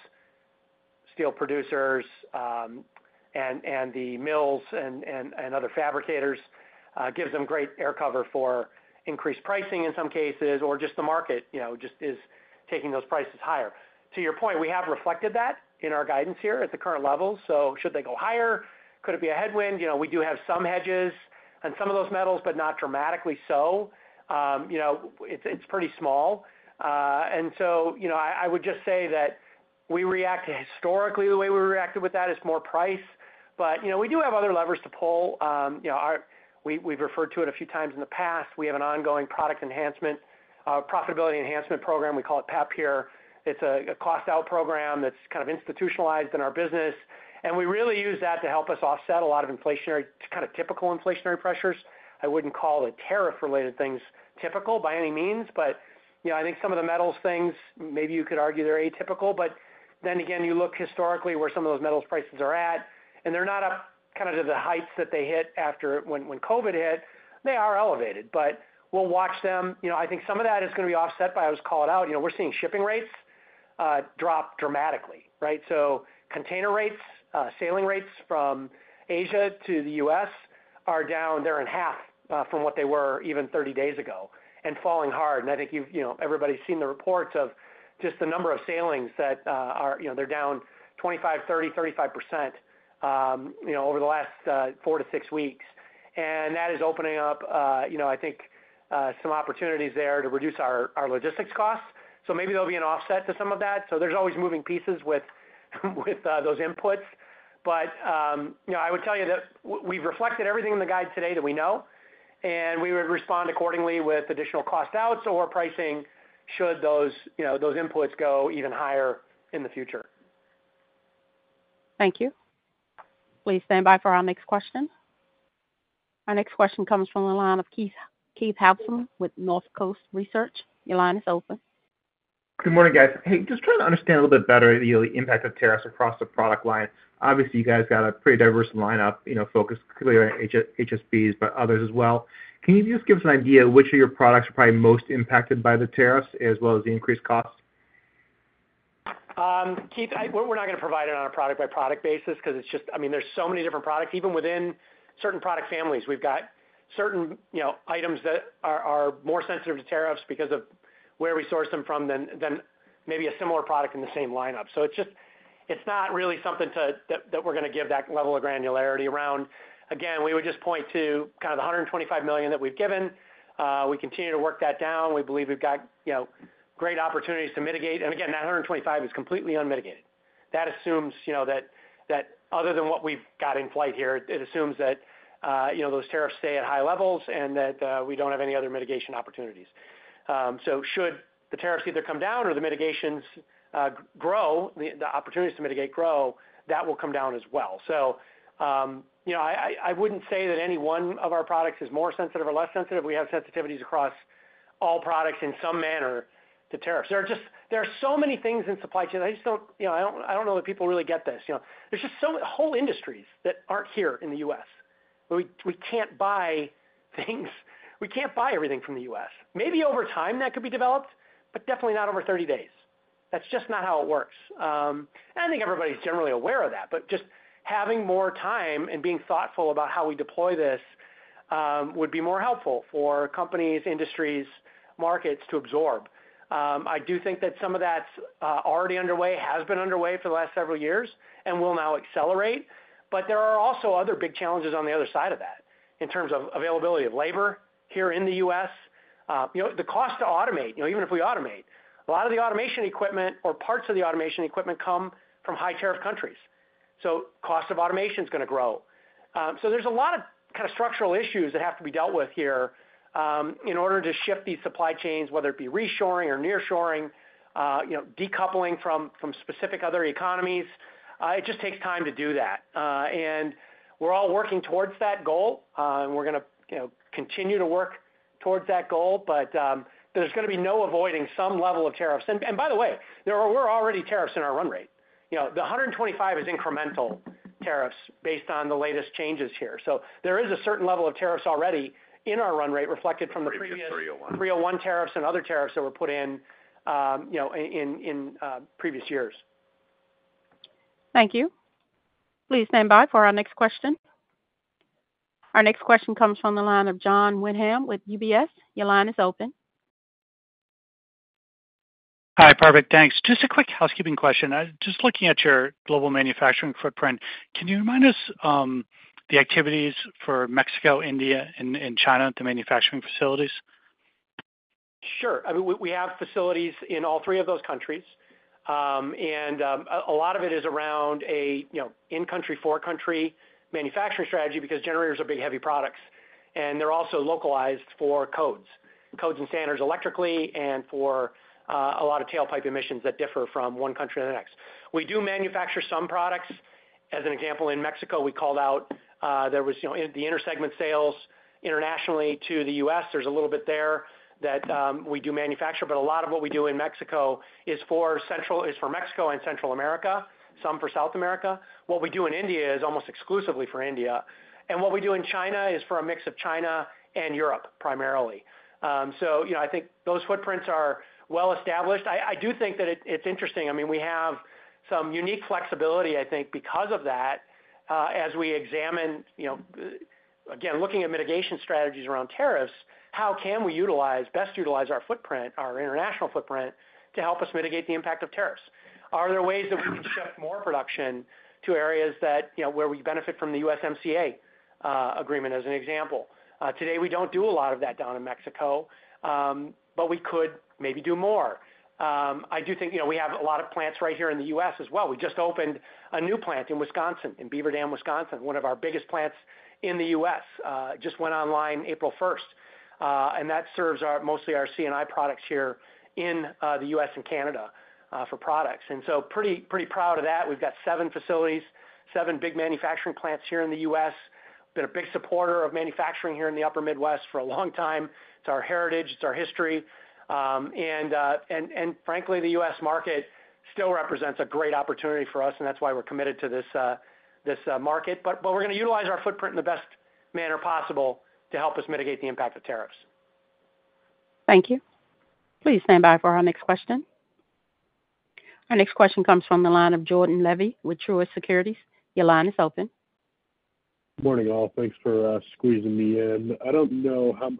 steel producers and the mills and other fabricators, gives them great air cover for increased pricing in some cases, or just the market just is taking those prices higher. To your point, we have reflected that in our guidance here at the current level. Should they go higher? Could it be a headwind? We do have some hedges on some of those metals, but not dramatically so. It is pretty small. I would just say that we react historically the way we reacted with that is more price. We do have other levers to pull. We have referred to it a few times in the past. We have an ongoing product enhancement, profitability enhancement program. We call it PAP here. It's a cost-out program that's kind of institutionalized in our business. We really use that to help us offset a lot of inflationary, kind of typical inflationary pressures. I wouldn't call the tariff-related things typical by any means. I think some of the metals things, maybe you could argue they're atypical. Then again, you look historically where some of those metals' prices are at, and they're not up kind of to the heights that they hit when COVID hit. They are elevated. We'll watch them. I think some of that is going to be offset by, as was called out, we're seeing shipping rates drop dramatically, right? Container rates, sailing rates from Asia to the U.S. are down. They're in half from what they were even 30 days ago and falling hard. I think everybody's seen the reports of just the number of sailings that they're down 25%, 30%, 35% over the last four to six weeks. That is opening up, I think, some opportunities there to reduce our logistics costs. Maybe there'll be an offset to some of that. There's always moving pieces with those inputs. I would tell you that we've reflected everything in the guide today that we know. We would respond accordingly with additional cost-outs or pricing should those inputs go even higher in the future. Thank you. Please stand by for our next question. Our next question comes from the line of Keith Housum with Northcoast Research Partners. Your line is open. Good morning, guys. Hey, just trying to understand a little bit better the impact of tariffs across the product line. Obviously, you guys got a pretty diverse lineup focused clearly on HSBs, but others as well. Can you just give us an idea of which of your products are probably most impacted by the tariffs as well as the increased costs? Keith, we're not going to provide it on a product-by-product basis because it's just, I mean, there's so many different products. Even within certain product families, we've got certain items that are more sensitive to tariffs because of where we source them from than maybe a similar product in the same lineup. It's not really something that we're going to give that level of granularity around. Again, we would just point to kind of the $125 million that we've given. We continue to work that down. We believe we've got great opportunities to mitigate. Again, that $125 million is completely unmitigated. That assumes that other than what we've got in flight here, it assumes that those tariffs stay at high levels and that we don't have any other mitigation opportunities. Should the tariffs either come down or the opportunities to mitigate grow, that will come down as well. I wouldn't say that any one of our products is more sensitive or less sensitive. We have sensitivities across all products in some manner to tariffs. There are so many things in supply chain. I just don't know that people really get this. There are just whole industries that aren't here in the U.S. We can't buy things. We can't buy everything from the U.S. Maybe over time that could be developed, but definitely not over 30 days. That's just not how it works. I think everybody's generally aware of that. Just having more time and being thoughtful about how we deploy this would be more helpful for companies, industries, markets to absorb. I do think that some of that's already underway, has been underway for the last several years, and will now accelerate. There are also other big challenges on the other side of that in terms of availability of labor here in the U.S. The cost to automate, even if we automate, a lot of the automation equipment or parts of the automation equipment come from high-tariff countries. Cost of automation is going to grow. There are a lot of kind of structural issues that have to be dealt with here in order to shift these supply chains, whether it be reshoring or nearshoring, decoupling from specific other economies. It just takes time to do that. We're all working towards that goal. We're going to continue to work towards that goal. There is going to be no avoiding some level of tariffs. By the way, there were already tariffs in our run rate. The $125 million is incremental tariffs based on the latest changes here. There is a certain level of tariffs already in our run rate reflected from the previous 301 tariffs and other tariffs that were put in in previous years. Thank you. Please stand by for our next question. Our next question comes from the line of Jon Windham with UBS. Your line is open. Hi, perfect. Thanks. Just a quick housekeeping question. Just looking at your global manufacturing footprint, can you remind us the activities for Mexico, India, and China at the manufacturing facilities? Sure. I mean, we have facilities in all three of those countries. A lot of it is around an in-country, for-country manufacturing strategy because generators are big, heavy products. They are also localized for codes, codes and standards electrically, and for a lot of tailpipe emissions that differ from one country to the next. We do manufacture some products. As an example, in Mexico, we called out there was the intersegment sales internationally to the U.S. There is a little bit there that we do manufacture. A lot of what we do in Mexico is for Mexico and Central America, some for South America. What we do in India is almost exclusively for India. What we do in China is for a mix of China and Europe primarily. I think those footprints are well established. I do think that it is interesting. I mean, we have some unique flexibility, I think, because of that. As we examine, again, looking at mitigation strategies around tariffs, how can we best utilize our footprint, our international footprint, to help us mitigate the impact of tariffs? Are there ways that we can shift more production to areas where we benefit from the USMCA agreement, as an example? Today, we do not do a lot of that down in Mexico, but we could maybe do more. I do think we have a lot of plants right here in the U.S. as well. We just opened a new plant in Wisconsin, in Beaver Dam, Wisconsin, one of our biggest plants in the U.S. Just went online April 1. That serves mostly our C&I products here in the U.S. and Canada for products. I am pretty proud of that. We have seven facilities, seven big manufacturing plants here in the U.S. Been a big supporter of manufacturing here in the upper Midwest for a long time. It's our heritage. It's our history. Frankly, the U.S. market still represents a great opportunity for us. That's why we're committed to this market. We're going to utilize our footprint in the best manner possible to help us mitigate the impact of tariffs. Thank you. Please stand by for our next question. Our next question comes from the line of Jordan Levy with Truist Securities. Your line is open. Morning, all. Thanks for squeezing me in. I don't know how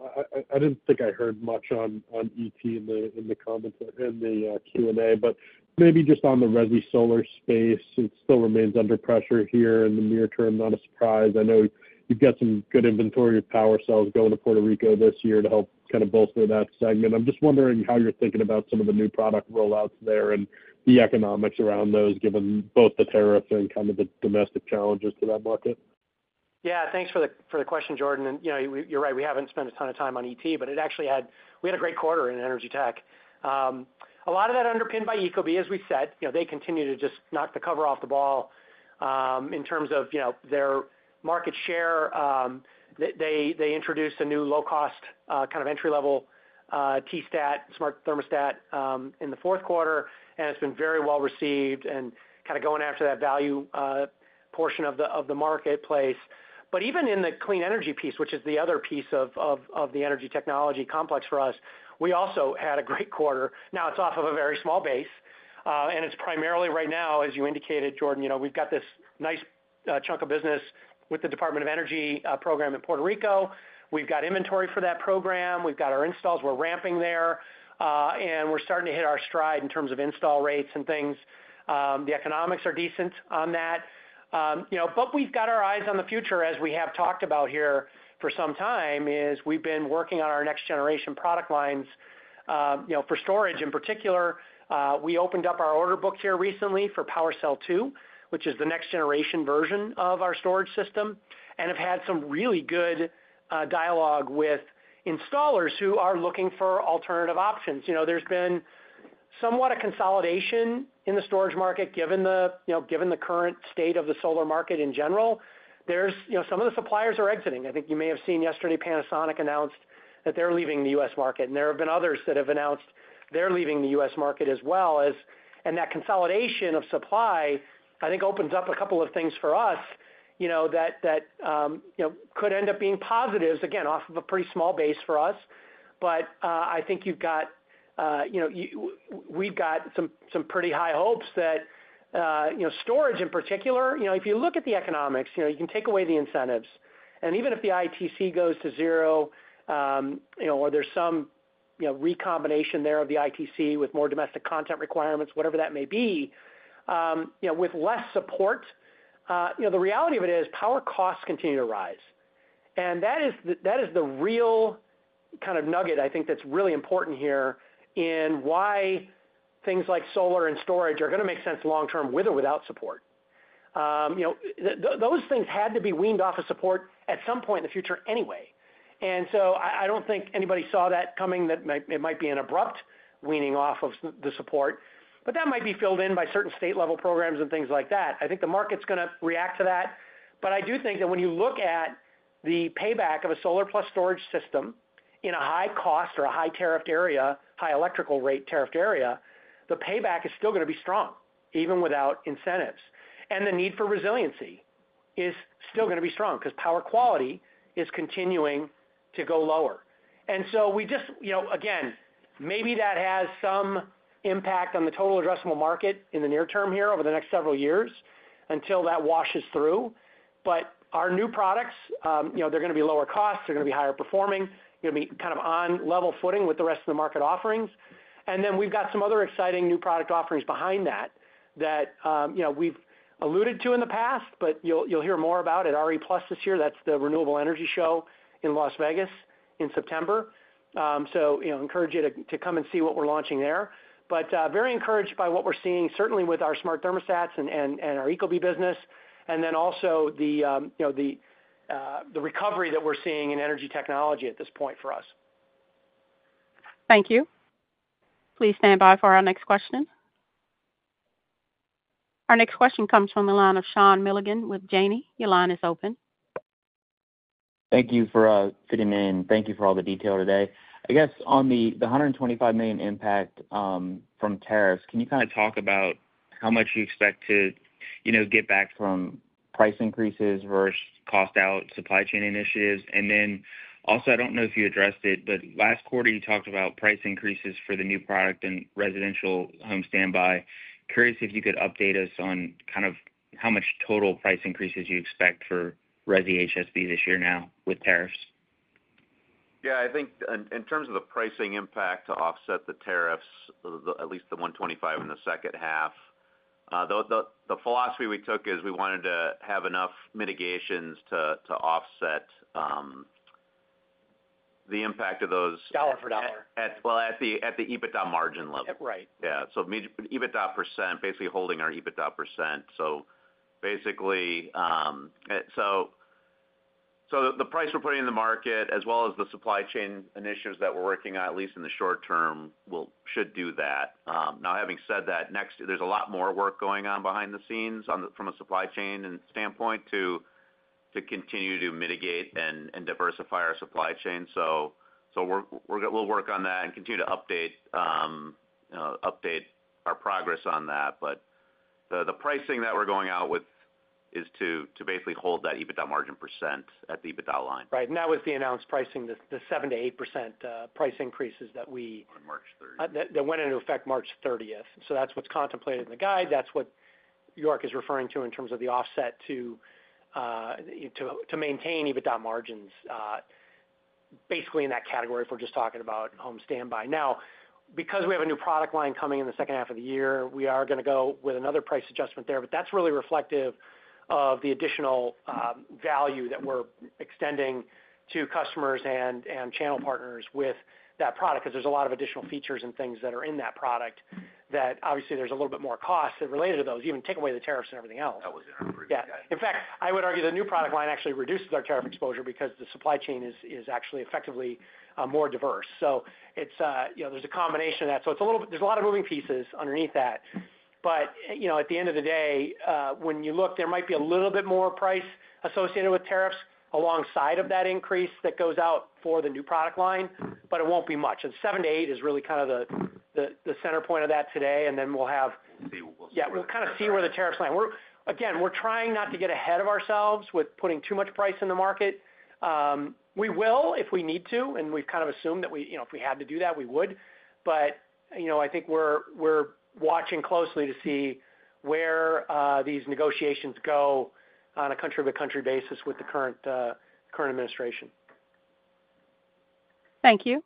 I didn't think I heard much on ET in the comments and the Q&A, but maybe just on the Resi solar space, it still remains under pressure here in the near term. Not a surprise. I know you've got some good inventory of PWRcell going to Puerto Rico this year to help kind of bolster that segment. I'm just wondering how you're thinking about some of the new product rollouts there and the economics around those, given both the tariffs and kind of the domestic challenges to that market. Yeah. Thanks for the question, Jordan. And you're right. We haven't spent a ton of time on ET, but we had a great quarter in Energy Tech. A lot of that underpinned by ecobee, as we said. They continue to just knock the cover off the ball in terms of their market share. They introduced a new low-cost kind of entry-level T-Stat smart thermostat in the fourth quarter. And it's been very well received and kind of going after that value portion of the marketplace. Even in the clean energy piece, which is the other piece of the Energy Technology complex for us, we also had a great quarter. Now, it's off of a very small base. It's primarily right now, as you indicated, Jordan, we've got this nice chunk of business with the Department of Energy program at Puerto Rico. We've got inventory for that program. We've got our installs. We're ramping there. We're starting to hit our stride in terms of install rates and things. The economics are decent on that. We've got our eyes on the future, as we have talked about here for some time, as we've been working on our next-generation product lines for storage in particular. We opened up our order book here recently for PWRcell 2, which is the next-generation version of our storage system, and have had some really good dialogue with installers who are looking for alternative options. There's been somewhat a consolidation in the storage market, given the current state of the solar market in general. Some of the suppliers are exiting. I think you may have seen yesterday Panasonic announced that they're leaving the U.S. market. There have been others that have announced they're leaving the U.S. market as well. That consolidation of supply, I think, opens up a couple of things for us that could end up being positives, again, off of a pretty small base for us. I think you've got we've got some pretty high hopes that storage in particular, if you look at the economics, you can take away the incentives. Even if the ITC goes to zero or there's some recombination there of the ITC with more domestic content requirements, whatever that may be, with less support, the reality of it is power costs continue to rise. That is the real kind of nugget, I think, that's really important here in why things like solar and storage are going to make sense long-term with or without support. Those things had to be weaned off of support at some point in the future anyway. I do not think anybody saw that coming, that it might be an abrupt weaning off of the support. That might be filled in by certain state-level programs and things like that. I think the market's going to react to that. I do think that when you look at the payback of a solar plus storage system in a high-cost or a high-tariffed area, high electrical rate tariffed area, the payback is still going to be strong even without incentives. The need for resiliency is still going to be strong because power quality is continuing to go lower. We just, again, maybe that has some impact on the total addressable market in the near term here over the next several years until that washes through. Our new products, they're going to be lower costs. They're going to be higher performing. They're going to be kind of on level footing with the rest of the market offerings. We have some other exciting new product offerings behind that that we've alluded to in the past, but you'll hear more about at RE+ this year. That's the Renewable Energy Show in Las Vegas in September. I encourage you to come and see what we're launching there. Very encouraged by what we're seeing, certainly with our smart thermostats and our ecobee business, and then also the recovery that we're seeing in Energy Technology at this point for us. Thank you. Please stand by for our next question. Our next question comes from the line of Sean Milligan with Janney. Your line is open. Thank you for fitting in. Thank you for all the detail today. I guess on the $125 million impact from tariffs, can you kind of talk about how much you expect to get back from price increases versus cost-out supply chain initiatives? I don't know if you addressed it, but last quarter, you talked about price increases for the new product and residential home standby. Curious if you could update us on kind of how much total price increases you expect for Resi HSB this year now with tariffs. Yeah. I think in terms of the pricing impact to offset the tariffs, at least the $125 million in the second half, the philosophy we took is we wanted to have enough mitigations to offset the impact of those. Dollar for dollar. At the EBITDA margin level. Right. Yeah. EBITDA percent, basically holding our EBITDA percent. The price we're putting in the market, as well as the supply chain initiatives that we're working on, at least in the short term, should do that. Having said that, there's a lot more work going on behind the scenes from a supply chain standpoint to continue to mitigate and diversify our supply chain. We'll work on that and continue to update our progress on that. The pricing that we're going out with is to basically hold that EBITDA margin percent at the EBITDA line. Right. That was the announced pricing, the 7%-8% price increases that we On March 30th. That went into effect March 30th. That's what's contemplated in the guide. That's what York is referring to in terms of the offset to maintain EBITDA margins, basically in that category if we're just talking about home standby. Now, because we have a new product line coming in the second half of the year, we are going to go with another price adjustment there. That is really reflective of the additional value that we are extending to customers and channel partners with that product because there are a lot of additional features and things that are in that product that obviously there is a little bit more cost related to those. Even take away the tariffs and everything else. That was not our previous guide. Yeah. In fact, I would argue the new product line actually reduces our tariff exposure because the supply chain is actually effectively more diverse. There is a combination of that. There are a lot of moving pieces underneath that. At the end of the day, when you look, there might be a little bit more price associated with tariffs alongside that increase that goes out for the new product line, but it will not be much. Seven to eight is really kind of the center point of that today. We will see what we will see. Yeah. We will kind of see where the tariffs land. Again, we are trying not to get ahead of ourselves with putting too much price in the market. We will if we need to. We have kind of assumed that if we had to do that, we would. I think we are watching closely to see where these negotiations go on a country-by-country basis with the current administration. Thank you.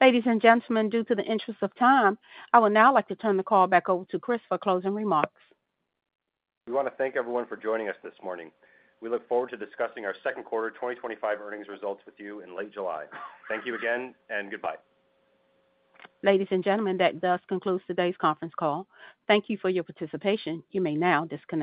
Ladies and gentlemen, due to the interest of time, I would now like to turn the call back over to Kris for closing remarks. We want to thank everyone for joining us this morning. We look forward to discussing our second quarter 2025 earnings results with you in late July. Thank you again, and goodbye. Ladies and gentlemen, that does conclude today's conference call. Thank you for your participation. You may now disconnect.